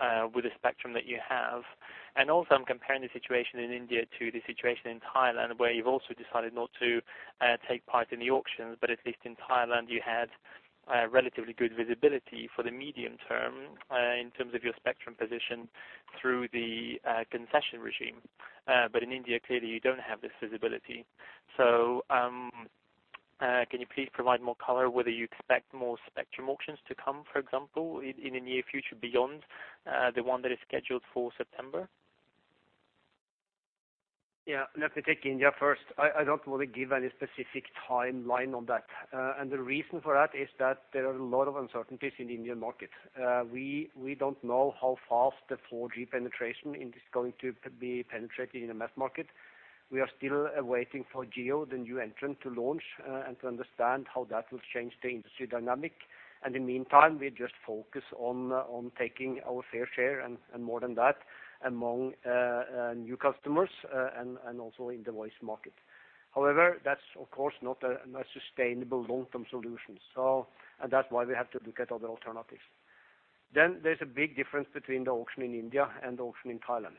going, with the spectrum that you have? And also, I'm comparing the situation in India to the situation in Thailand, where you've also decided not to take part in the auction. But at least in Thailand, you had relatively good visibility for the medium term, in terms of your spectrum position through the concession regime. But in India, clearly you don't have this visibility. Can you please provide more color whether you expect more spectrum auctions to come, for example, in the near future, beyond the one that is scheduled for September? Yeah, let me take India first. I, I don't want to give any specific timeline on that. And the reason for that is that there are a lot of uncertainties in the Indian market. We, we don't know how fast the 4G penetration in this is going to be penetrating in the mass market. We are still waiting for Jio, the new entrant, to launch, and to understand how that will change the industry dynamic. And in the meantime, we just focus on, on taking our fair share, and, and more than that, among new customers, and, and also in the voice market. However, that's, of course, not a, a sustainable long-term solution, so-- and that's why we have to look at other alternatives. Then there's a big difference between the auction in India and the auction in Thailand.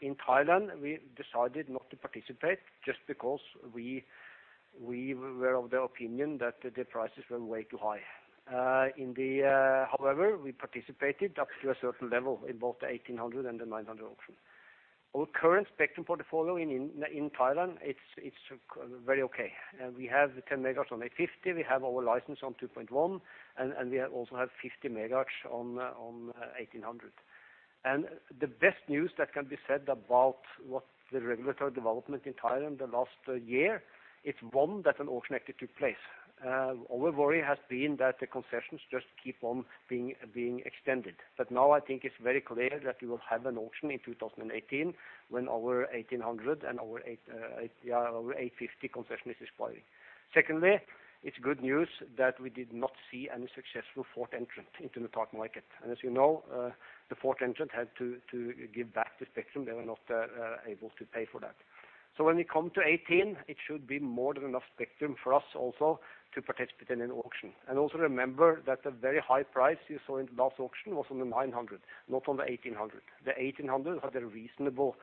In Thailand, we decided not to participate just because we were of the opinion that the prices were way too high. However, we participated up to a certain level in both the 1800 and the 900 auction. Our current spectrum portfolio in Thailand, it's very okay. We have 10 MHz on 850, we have our license on 2.1, and we also have 50 MHz on 1800. And the best news that can be said about what the regulatory development in Thailand in the last year, it's one, that an auction actually took place. Our worry has been that the concessions just keep on being extended, but now I think it's very clear that we will have an auction in 2018, when our 1800 and our 850 concession is expiring. Secondly, it's good news that we did not see any successful fourth entrant into the telecom market. And as you know, the fourth entrant had to give back the spectrum. They were not able to pay for that. So when we come to 2018, it should be more than enough spectrum for us also to participate in an auction. And also remember that the very high price you saw in the last auction was on the 900, not on the 1800. The 1800 had a reasonable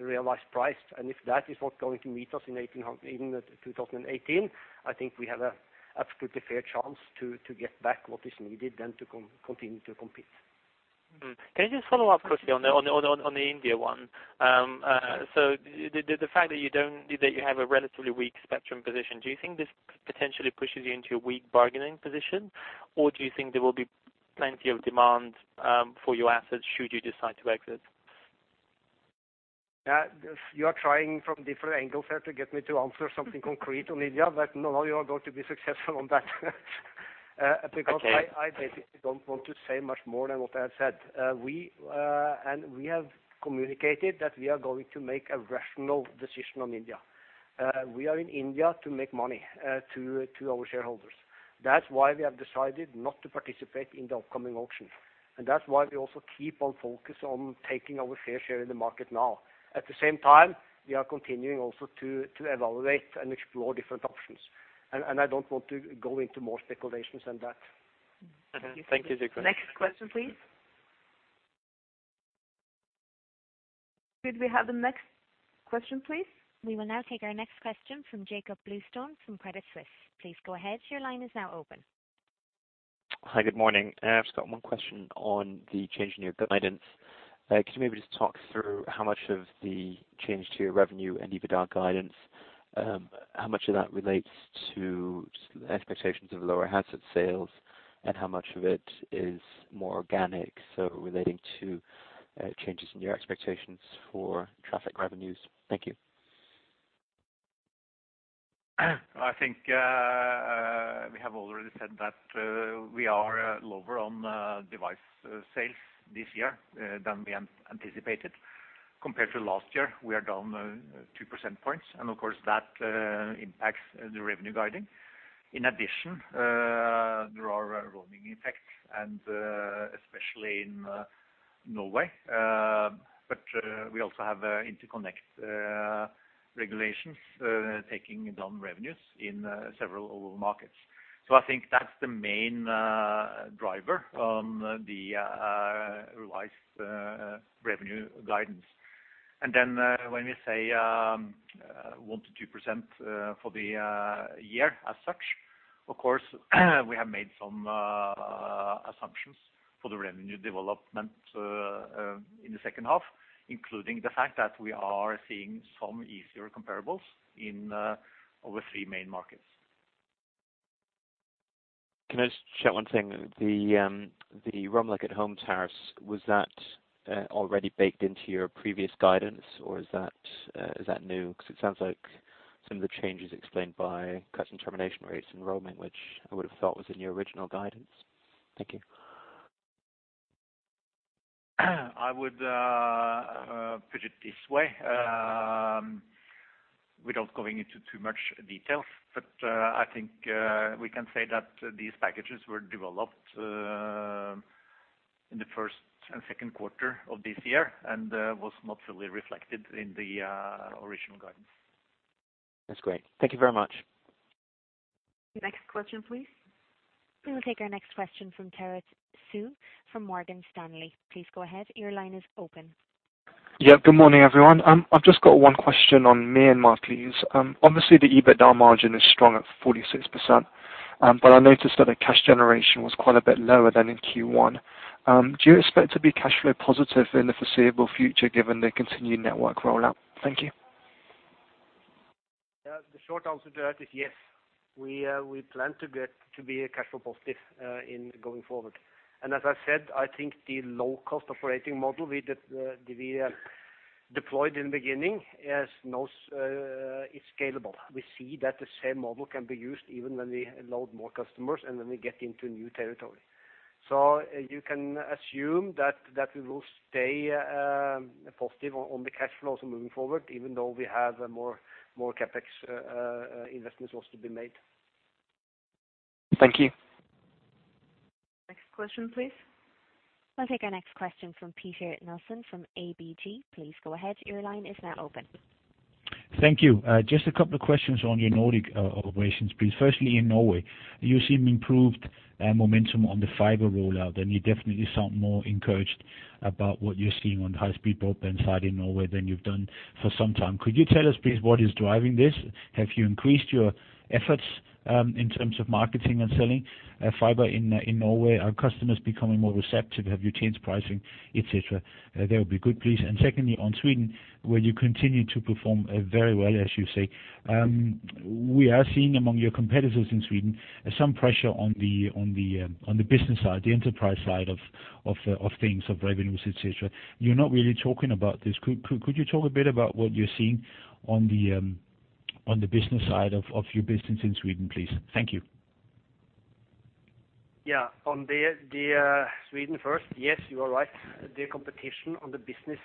realized price, and if that is what's going to meet us in 2018, I think we have a absolutely fair chance to get back what is needed, then to continue to compete. Mm-hmm. Can I just follow up quickly on the India one? So the fact that you have a relatively weak spectrum position, do you think this potentially pushes you into a weak bargaining position, or do you think there will be plenty of demand for your assets, should you decide to exit? You are trying from different angles here to get me to answer something concrete on India, but no, you are going to be successful on that. Okay. Because I basically don't want to say much more than what I have said. We and we have communicated that we are going to make a rational decision on India. We are in India to make money, to our shareholders. That's why we have decided not to participate in the upcoming auction, and that's why we also keep on focus on taking our fair share in the market now. At the same time, we are continuing also to evaluate and explore different options, and I don't want to go into more speculations than that. Thank you, brekke. Next question, please. Could we have the next question, please? We will now take our next question from Jakob Bluestone from Credit Suisse. Please go ahead. Your line is now open. Hi, good morning. I've just got one question on the change in your guidance. Could you maybe just talk through how much of the change to your revenue and EBITDA guidance, how much of that relates to expectations of lower handset sales, and how much of it is more organic, so relating to changes in your expectations for traffic revenues? Thank you. I think we have already said that we are lower on device sales this year than we anticipated. Compared to last year, we are down 2 percentage points, and of course, that impacts the revenue guidance. In addition, there are roaming impacts, and especially in Norway. But we also have interconnect regulations taking down revenues in several markets. So I think that's the main driver on the realized revenue guidance. And then, when we say 1%-2% for the year as such, of course, we have made some assumptions for the revenue development in the second half, including the fact that we are seeing some easier comparables in our three main markets. Can I just check one thing? The, the Roam Like Home tariffs, was that already baked into your previous guidance, or is that new? Because it sounds like some of the change is explained by customer termination rates and roaming, which I would've thought was in your original guidance. Thank you.... I would put it this way, without going into too much details, but, I think, we can say that these packages were developed in the first and second quarter of this year, and was not fully reflected in the original guidance. That's great. Thank you very much. Next question, please. We will take our next question from Terence Hsu from Morgan Stanley. Please go ahead. Your line is open. Yeah, good morning, everyone. I've just got one question on Myanmar please. Obviously, the EBITDA margin is strong at 46%, but I noticed that the cash generation was quite a bit lower than in Q1. Do you expect to be cash flow positive in the foreseeable future, given the continued network rollout? Thank you. The short answer to that is yes. We, we plan to get to be a cash flow positive, in going forward. And as I said, I think the low-cost operating model we deployed in the beginning is scalable. We see that the same model can be used even when we load more customers and when we get into new territory. So you can assume that we will stay positive on the cash flows moving forward, even though we have a more CapEx investments also to be made. Thank you. Next question, please. I'll take our next question from Peter Nielsen from ABG. Please go ahead. Your line is now open. Thank you. Just a couple of questions on your Nordic operations, please. Firstly, in Norway, you've seen improved momentum on the fiber rollout, and you definitely sound more encouraged about what you're seeing on the high-speed broadband side in Norway than you've done for some time. Could you tell us, please, what is driving this? Have you increased your efforts in terms of marketing and selling fiber in Norway? Are customers becoming more receptive? Have you changed pricing, et cetera? That would be good, please. And secondly, on Sweden, where you continue to perform very well, as you say, we are seeing among your competitors in Sweden, some pressure on the business side, the enterprise side of things, of revenues, et cetera. You're not really talking about this. Could you talk a bit about what you're seeing on the business side of your business in Sweden, please? Thank you. Yeah. On the Sweden first, yes, you are right. The competition on the business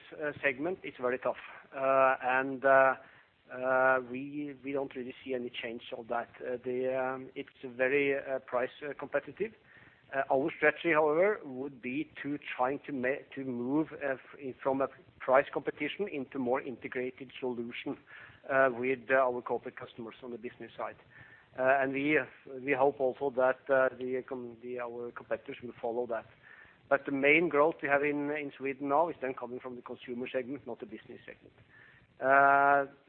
segment is very tough. And we don't really see any change of that. It's very price competitive. Our strategy, however, would be to try to move from a price competition into more integrated solution with our corporate customers on the business side. And we hope also that our competitors will follow that. But the main growth we have in Sweden now is then coming from the consumer segment, not the business segment.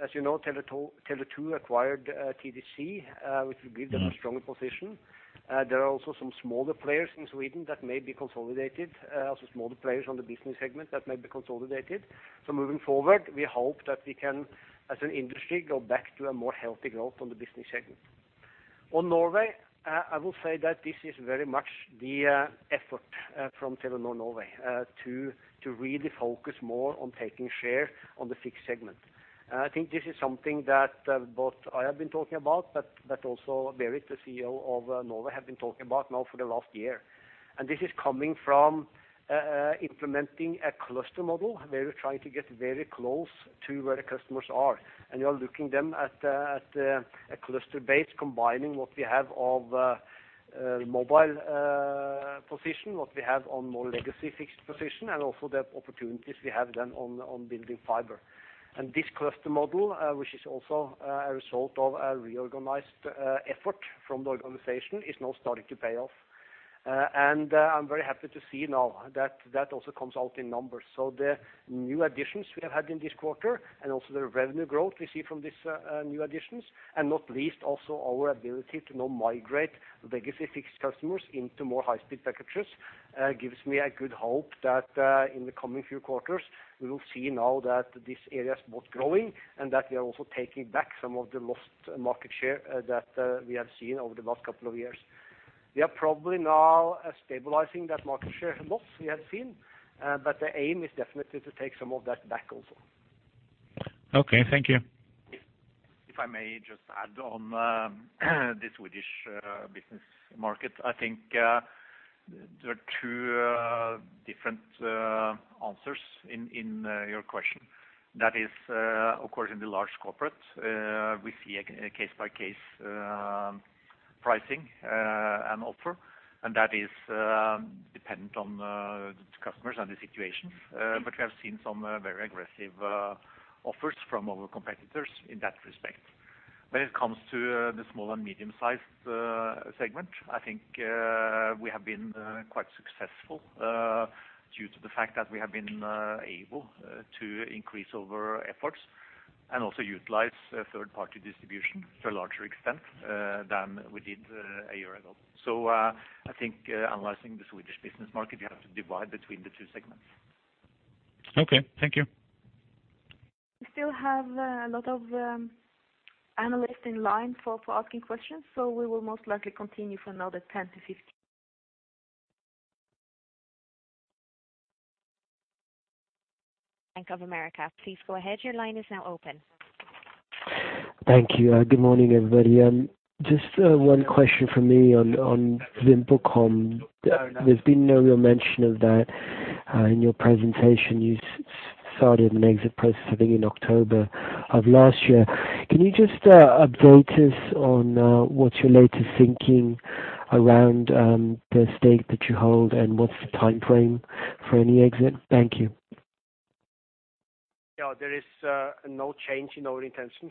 As you know, Tele2 acquired TDC, which will give them a stronger position. There are also some smaller players in Sweden that may be consolidated, also smaller players on the business segment that may be consolidated. So moving forward, we hope that we can, as an industry, go back to a more healthy growth on the business segment. On Norway, I will say that this is very much the effort from Telenor Norway to really focus more on taking share on the fixed segment. And I think this is something that both I have been talking about, but also Berit, the CEO of Norway, have been talking about now for the last year. And this is coming from implementing a cluster model, where we're trying to get very close to where the customers are. You are looking them at a cluster base, combining what we have of mobile position, what we have on more legacy fixed position, and also the opportunities we have then on building fiber. And this cluster model, which is also a result of a reorganized effort from the organization, is now starting to pay off. And I'm very happy to see now that that also comes out in numbers. So the new additions we have had in this quarter and also the revenue growth we see from this, new additions, and not least, also our ability to now migrate legacy fixed customers into more high-speed packages, gives me a good hope that, in the coming few quarters, we will see now that this area is both growing and that we are also taking back some of the lost market share, that we have seen over the last couple of years. We are probably now stabilizing that market share loss we have seen, but the aim is definitely to take some of that back also. Okay, thank you. If I may just add on, the Swedish business market. I think, there are two different answers in your question. That is, of course, in the large corporate, we see a case-by-case pricing and offer, and that is dependent on the customers and the situation, but we have seen some very aggressive offers from our competitors in that respect. When it comes to the small and medium-sized segment, I think we have been quite successful due to the fact that we have been able to increase our efforts and also utilize third-party distribution to a larger extent than we did a year ago. So, I think analyzing the Swedish business market, you have to divide between the two segments. Okay, thank you. We still have a lot of analysts in line for asking questions, so we will most likely continue for another 10-15.... Bank of America, please go ahead. Your line is now open. Thank you. Good morning, everybody. Just one question from me on VimpelCom. There's been no real mention of that in your presentation. You started an exit process, I think, in October of last year. Can you just update us on what's your latest thinking around the stake that you hold, and what's the timeframe for any exit? Thank you. Yeah, there is no change in our intention.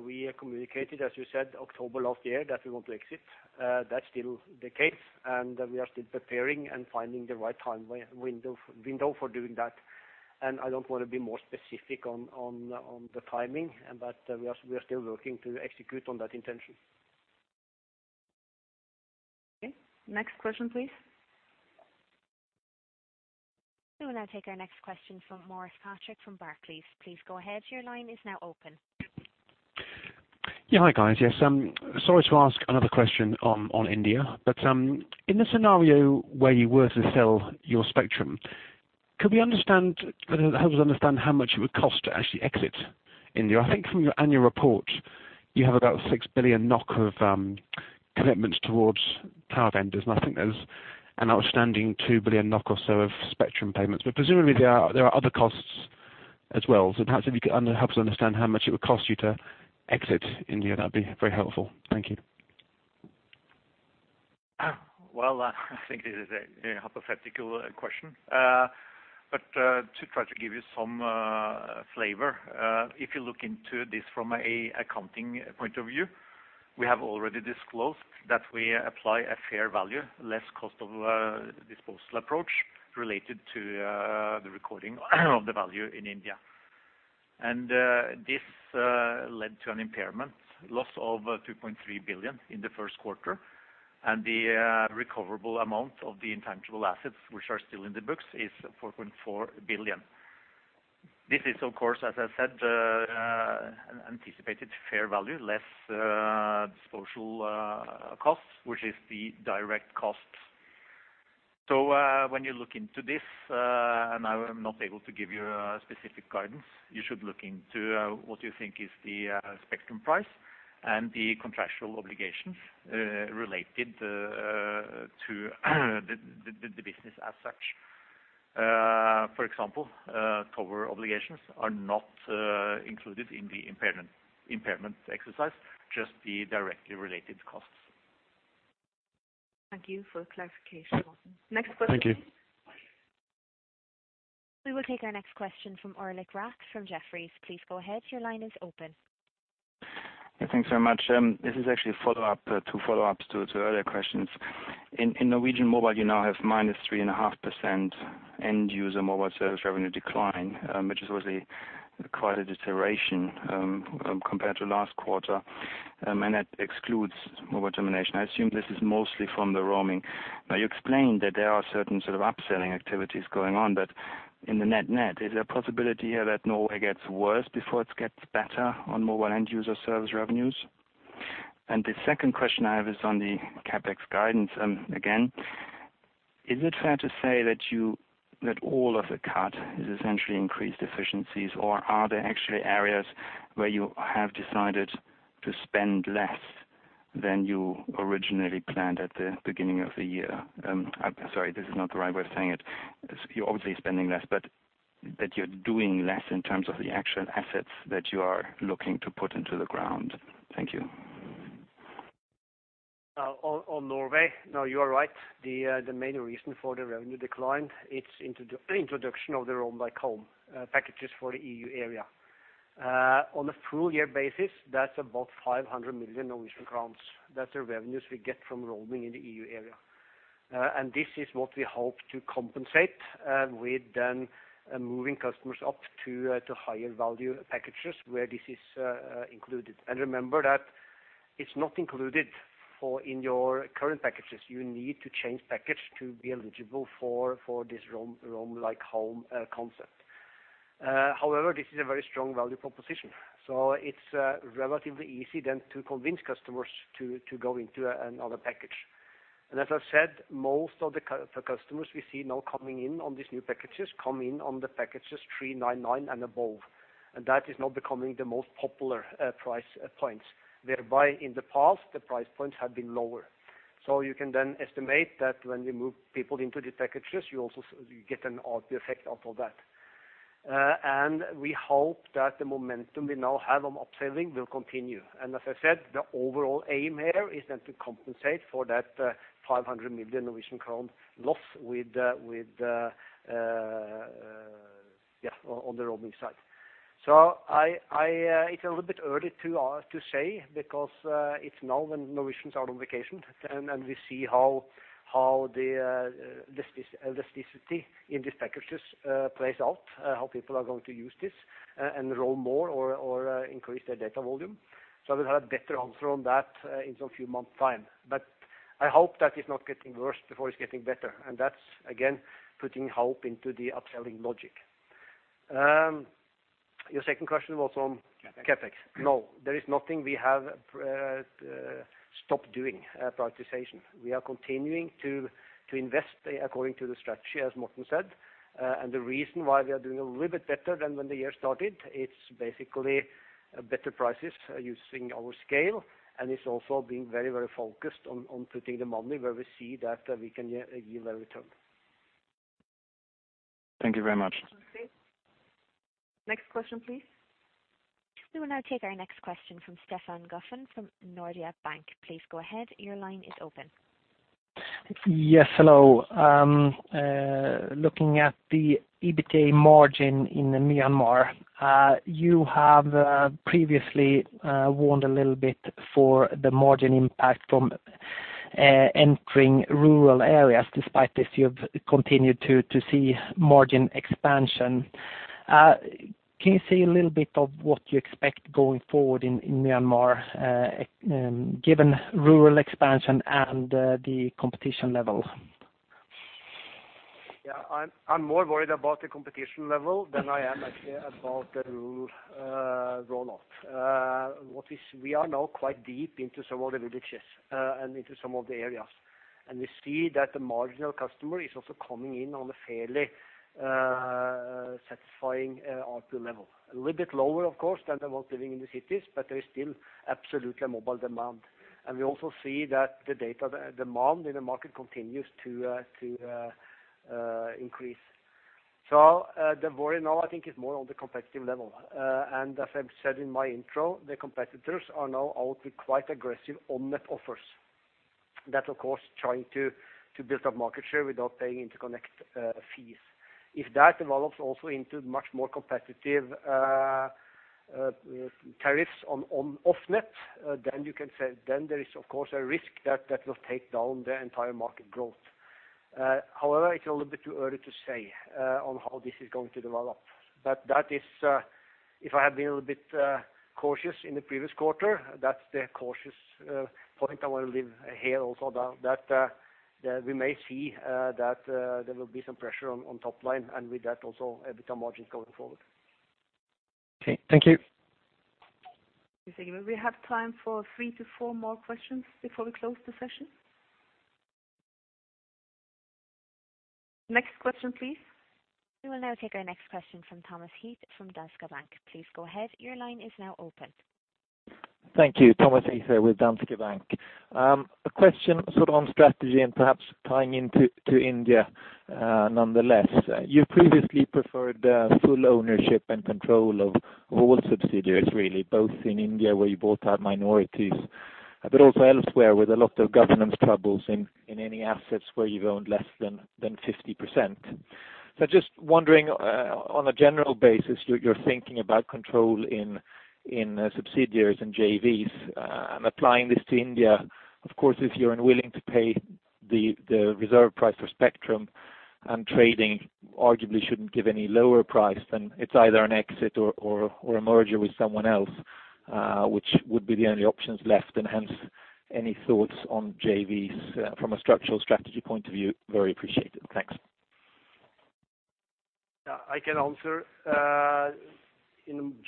We communicated, as you said, October of last year, that we want to exit. That's still the case, and we are still preparing and finding the right time window for doing that. And I don't wanna be more specific on the timing, but we are still working to execute on that intention. Okay. Next question, please. We will now take our next question from Maurice Patrick from Barclays. Please go ahead. Your line is now open. Yeah, hi, guys. Yes, sorry to ask another question on, on India, but, in the scenario where you were to sell your spectrum, could we understand, help us understand how much it would cost to actually exit India? I think from your annual report, you have about 6 billion NOK of commitments towards tower vendors, and I think there's an outstanding 2 billion NOK or so of spectrum payments. But presumably there are, there are other costs as well. So perhaps if you could help us understand how much it would cost you to exit India, that'd be very helpful. Thank you. Well, I think this is a hypothetical question. But, to try to give you some flavor, if you look into this from an accounting point of view, we have already disclosed that we apply a fair value, less cost of disposal approach related to the recording of the value in India. This led to an impairment loss of 2.3 billion in the first quarter, and the recoverable amount of the intangible assets, which are still in the books, is 4.4 billion. This is, of course, as I said, an anticipated fair value, less disposal costs, which is the direct costs. So, when you look into this, and I'm not able to give you specific guidance, you should look into what you think is the spectrum price and the contractual obligations related to the business as such. For example, tower obligations are not included in the impairment exercise, just the directly related costs. Thank you for the clarification, Morten. Next question. Thank you. We will take our next question from Ulrich Rathe from Jefferies. Please go ahead. Your line is open. Yeah, thanks very much. This is actually a follow-up, two follow-ups to earlier questions. In Norwegian Mobile, you now have -3.5% end user mobile service revenue decline, which is obviously quite a deterioration compared to last quarter, and that excludes mobile termination. I assume this is mostly from the roaming. Now, you explained that there are certain sort of upselling activities going on, but in the net-net, is there a possibility here that Norway gets worse before it gets better on mobile end user service revenues? And the second question I have is on the CapEx guidance. Again, is it fair to say that you, that all of the cut is essentially increased efficiencies, or are there actually areas where you have decided to spend less than you originally planned at the beginning of the year? Sorry, this is not the right way of saying it. You're obviously spending less, but that you're doing less in terms of the actual assets that you are looking to put into the ground. Thank you. On Norway, no, you are right. The main reason for the revenue decline, it's introduction of the Roam Like Home packages for the EU area. On a full year basis, that's about 500 million Norwegian crowns. That's the revenues we get from roaming in the EU area. And this is what we hope to compensate with then moving customers up to higher value packages, where this is included. And remember that it's not included in your current packages. You need to change package to be eligible for this Roam Like Home concept. However, this is a very strong value proposition, so it's relatively easy then to convince customers to go into another package. As I've said, most of the customers we see now coming in on these new packages come in on the packages 399 and above, and that is now becoming the most popular price points. Thereby, in the past, the price points have been lower. You can then estimate that when we move people into the packages, you also get an odd effect out of that. We hope that the momentum we now have on upselling will continue. As I said, the overall aim here is then to compensate for that 500 million Norwegian crown loss with on the roaming side. So it's a little bit early to say because it's now when Norwegians are on vacation, and we see how the elasticity in these packages plays out, how people are going to use this, and roam more or increase their data volume. So I will have a better answer on that in some few months' time. But I hope that it's not getting worse before it's getting better, and that's, again, putting hope into the upselling logic. Your second question was on CapEx. No, there is nothing we have stopped doing, prioritization. We are continuing to invest according to the strategy, as Morten said. The reason why we are doing a little bit better than when the year started, it's basically better prices using our scale, and it's also being very, very focused on putting the money where we see that we can yield a return. Thank you very much. Okay. Next question, please. We will now take our next question from Stefan Goffin from Nordea Bank. Please go ahead. Your line is open. Yes, hello. Looking at the EBITDA margin in Myanmar, you have previously warned a little bit for the margin impact from entering rural areas. Despite this, you've continued to see margin expansion. Can you say a little bit of what you expect going forward in Myanmar, given rural expansion and the competition level? Yeah, I'm more worried about the competition level than I am actually about the rural rollout. We are now quite deep into some of the villages and into some of the areas, and we see that the marginal customer is also coming in on a fairly satisfying ARPU level. A little bit lower, of course, than those living in the cities, but there is still absolutely a mobile demand. And we also see that the data demand in the market continues to increase. So, the worry now I think is more on the competitive level. And as I've said in my intro, the competitors are now out with quite aggressive on-net offers. That of course trying to build up market share without paying interconnect fees. If that develops also into much more competitive tariffs on off-net, then you can say, then there is, of course, a risk that that will take down the entire market growth. However, it's a little bit too early to say on how this is going to develop. But that is, if I had been a little bit cautious in the previous quarter, that's the cautious point I want to leave here also, that that we may see that there will be some pressure on top line, and with that, also, EBITDA margins going forward. Okay, thank you. Thank you. We have time for 3 to 4 more questions before we close the session. Next question, please. We will now take our next question from Thomas Heath from Danske Bank. Please go ahead, your line is now open. Thank you. Thomas Heath here with Danske Bank. A question sort of on strategy and perhaps tying into, to India, nonetheless. You previously preferred full ownership and control of all subsidiaries, really, both in India, where you bought out minorities, but also elsewhere, with a lot of governance troubles in any assets where you've owned less than 50%. So just wondering on a general basis, your thinking about control in subsidiaries and JVs, and applying this to India. Of course, if you're unwilling to pay the reserve price for spectrum and trading arguably shouldn't give any lower price, then it's either an exit or a merger with someone else, which would be the only options left, and hence any thoughts on JVs from a structural strategy point of view, very appreciated. Thanks. Yeah, I can answer in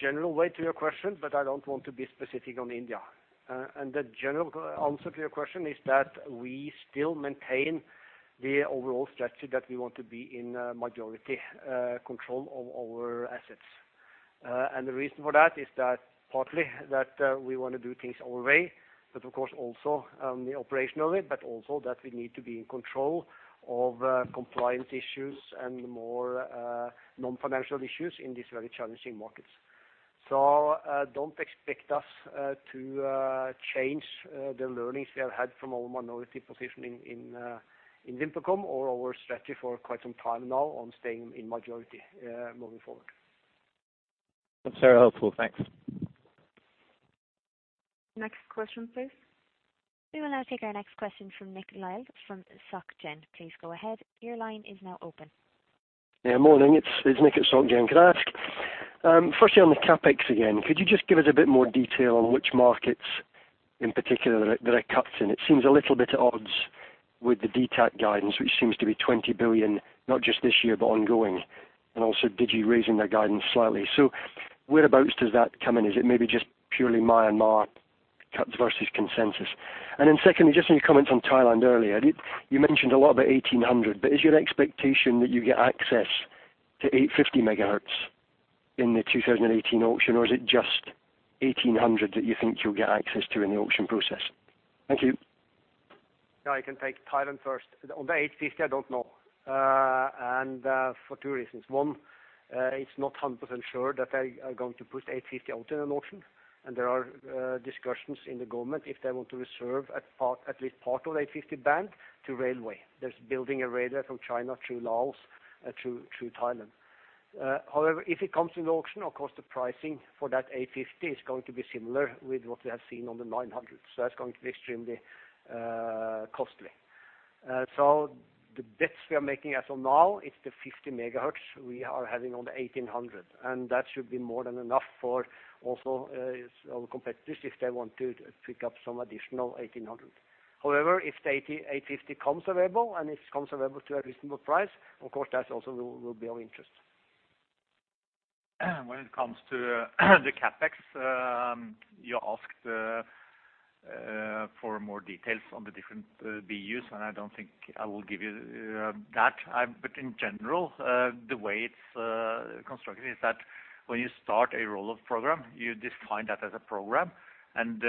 general way to your question, but I don't want to be specific on India. The general answer to your question is that we still maintain the overall strategy that we want to be in majority control of our assets. The reason for that is that partly that we want to do things our way, but of course, also operationally, but also that we need to be in control of compliance issues and more non-financial issues in these very challenging markets. So don't expect us to change the learnings we have had from our minority position in VimpelCom or our strategy for quite some time now on staying in majority moving forward. That's very helpful. Thanks. Next question, please. We will now take our next question from Nick Lyall from Soc Gen. Please go ahead. Your line is now open. Yeah, morning, it's Nick at Soc Gen. Can I ask, firstly on the CapEx again, could you just give us a bit more detail on which markets in particular that, that are cuts in? It seems a little bit at odds with the DTAC guidance, which seems to be 20 billion, not just this year, but ongoing, and also Digi raising their guidance slightly. So whereabouts does that come in? Is it maybe just purely Myanmar cuts versus consensus? And then secondly, just on your comments on Thailand earlier, did you mention a lot about 1800, but is your expectation that you get access to 850 megahertz in the 2018 auction, or is it just 1800 that you think you'll get access to in the auction process? Thank you. Yeah, I can take Thailand first. On the 850, I don't know for two reasons. One, it's not 100% sure that they are going to put 850 out in an auction, and there are discussions in the government if they want to reserve a part, at least part of 850 band to railway. There's building a railway from China through Laos through Thailand. However, if it comes to the auction, of course, the pricing for that 850 is going to be similar with what we have seen on the 900. So that's going to be extremely costly. So the bets we are making as of now, it's the 50 MHz we are having on the 1800, and that should be more than enough, also for our competitors, if they want to pick up some additional 1800.... However, if the 850 comes available, and it comes available to a reasonable price, of course, that also will be of interest. When it comes to the CapEx, you asked for more details on the different BUs, and I don't think I will give you that. But in general, the way it's constructed is that when you start a roll-off program, you define that as a program, and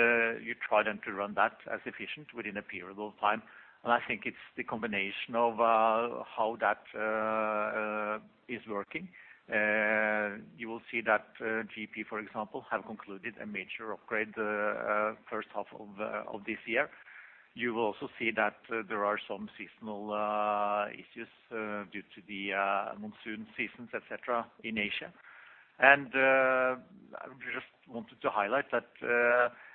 you try then to run that as efficient within a period of time. And I think it's the combination of how that is working. You will see that GP, for example, have concluded a major upgrade first half of this year. You will also see that there are some seasonal issues due to the monsoon seasons, et cetera, in Asia. I just wanted to highlight that.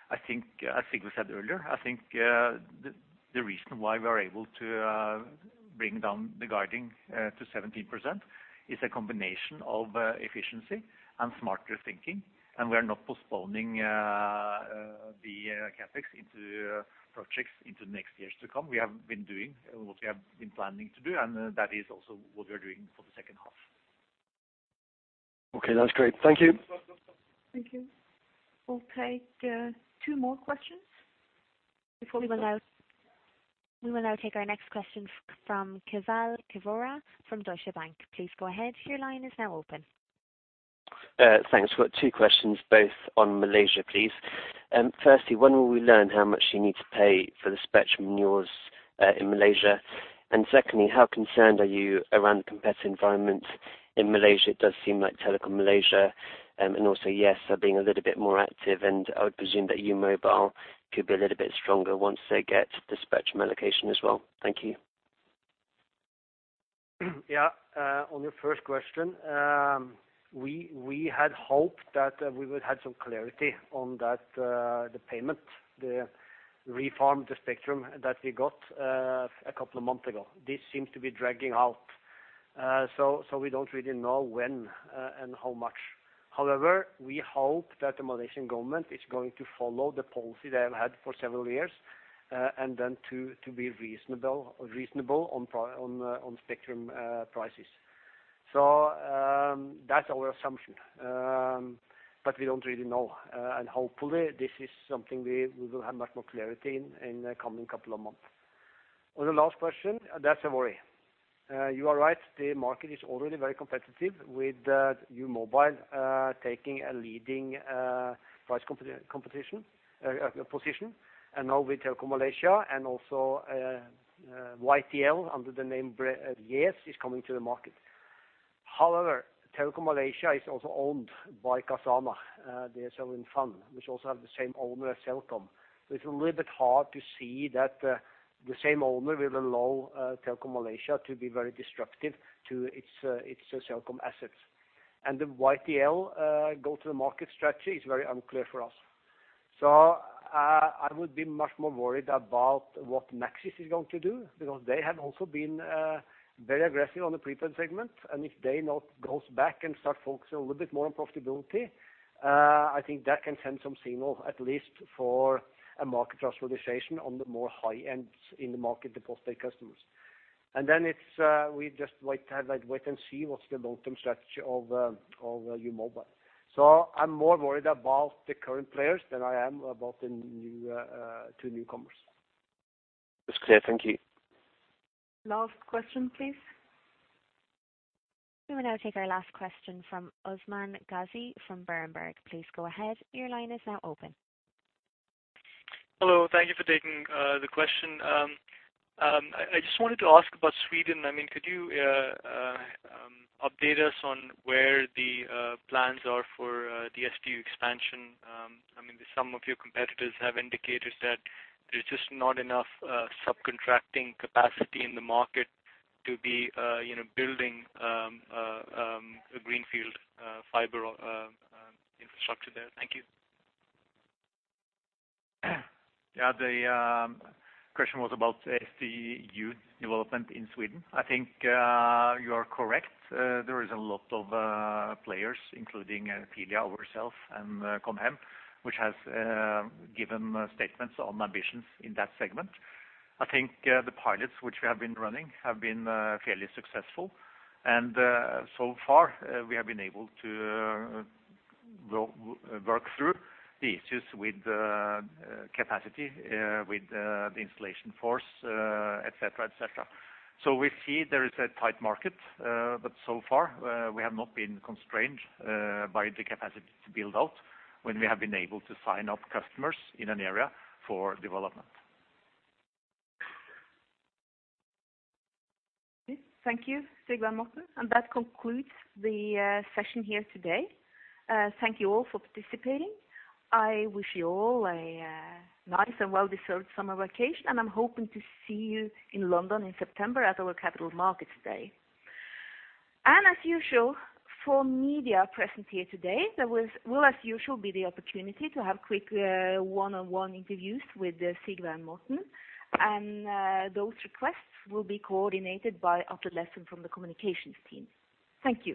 I think we said earlier. I think the reason why we are able to bring down the guiding to 17% is a combination of efficiency and smarter thinking, and we are not postponing the CapEx into projects into next years to come. We have been doing what we have been planning to do, and that is also what we are doing for the second half. Okay, that's great. Thank you. Thank you. We'll take two more questions before we will now- We will now take our next question from Keval Khiroya from Deutsche Bank. Please go ahead. Your line is now open. Thanks. We've got two questions, both on Malaysia, please. Firstly, when will we learn how much you need to pay for the spectrum yours, in Malaysia? And secondly, how concerned are you around the competitive environment in Malaysia? It does seem like Telekom Malaysia, and also, Yes, are being a little bit more active, and I would presume that U Mobile could be a little bit stronger once they get the spectrum allocation as well. Thank you. Yeah, on your first question, we had hoped that we would have some clarity on that, the payment, the reform, the spectrum that we got a couple of months ago. This seems to be dragging out, so we don't really know when and how much. However, we hope that the Malaysian government is going to follow the policy they have had for several years, and then to be reasonable on spectrum prices. So, that's our assumption, but we don't really know. And hopefully, this is something we will have much more clarity in the coming couple of months. On the last question, that's a worry. You are right, the market is already very competitive with uMobile taking a leading price competition position, and now with Telekom Malaysia, and also YTL under the name Yes, is coming to the market. However, Telekom Malaysia is also owned by Khazanah, the sovereign fund, which also have the same owner as Celcom. So it's a little bit hard to see that the same owner will allow Telekom Malaysia to be very disruptive to its Celcom assets. And the YTL go-to-market strategy is very unclear for us. So, I would be much more worried about what Maxis is going to do, because they have also been very aggressive on the prepaid segment, and if they not goes back and start focusing a little bit more on profitability, I think that can send some signal, at least for a market consolidation on the more high ends in the market, the postpaid customers. And then it's, we just like to have that wait and see what's the long-term strategy of, of, umobile. So I'm more worried about the current players than I am about the new, two newcomers. That's clear. Thank you. Last question, please. We will now take our last question from Usman Ghazi from Berenberg. Please go ahead. Your line is now open. Hello. Thank you for taking the question. I just wanted to ask about Sweden. I mean, could you update us on where the plans are for the SDU expansion? I mean, some of your competitors have indicated that there's just not enough subcontracting capacity in the market to be, you know, building a greenfield fiber infrastructure there. Thank you. Yeah, the question was about SDU development in Sweden. I think you are correct. There is a lot of players, including Telia, ourselves and Com Hem, which has given statements on ambitions in that segment. I think the pilots which we have been running have been fairly successful, and so far we have been able to work through the issues with capacity with the installation force, et cetera, et cetera. So we see there is a tight market, but so far we have not been constrained by the capacity to build out when we have been able to sign up customers in an area for development. Thank you, Sigve and Morten, and that concludes the session here today. Thank you all for participating. I wish you all a nice and well-deserved summer vacation, and I'm hoping to see you in London in September at our Capital Markets Day. As usual, for media present here today, there will, as usual, be the opportunity to have quick one-on-one interviews with Sigve and Morten, and those requests will be coordinated by the liaison from the communications team. Thank you.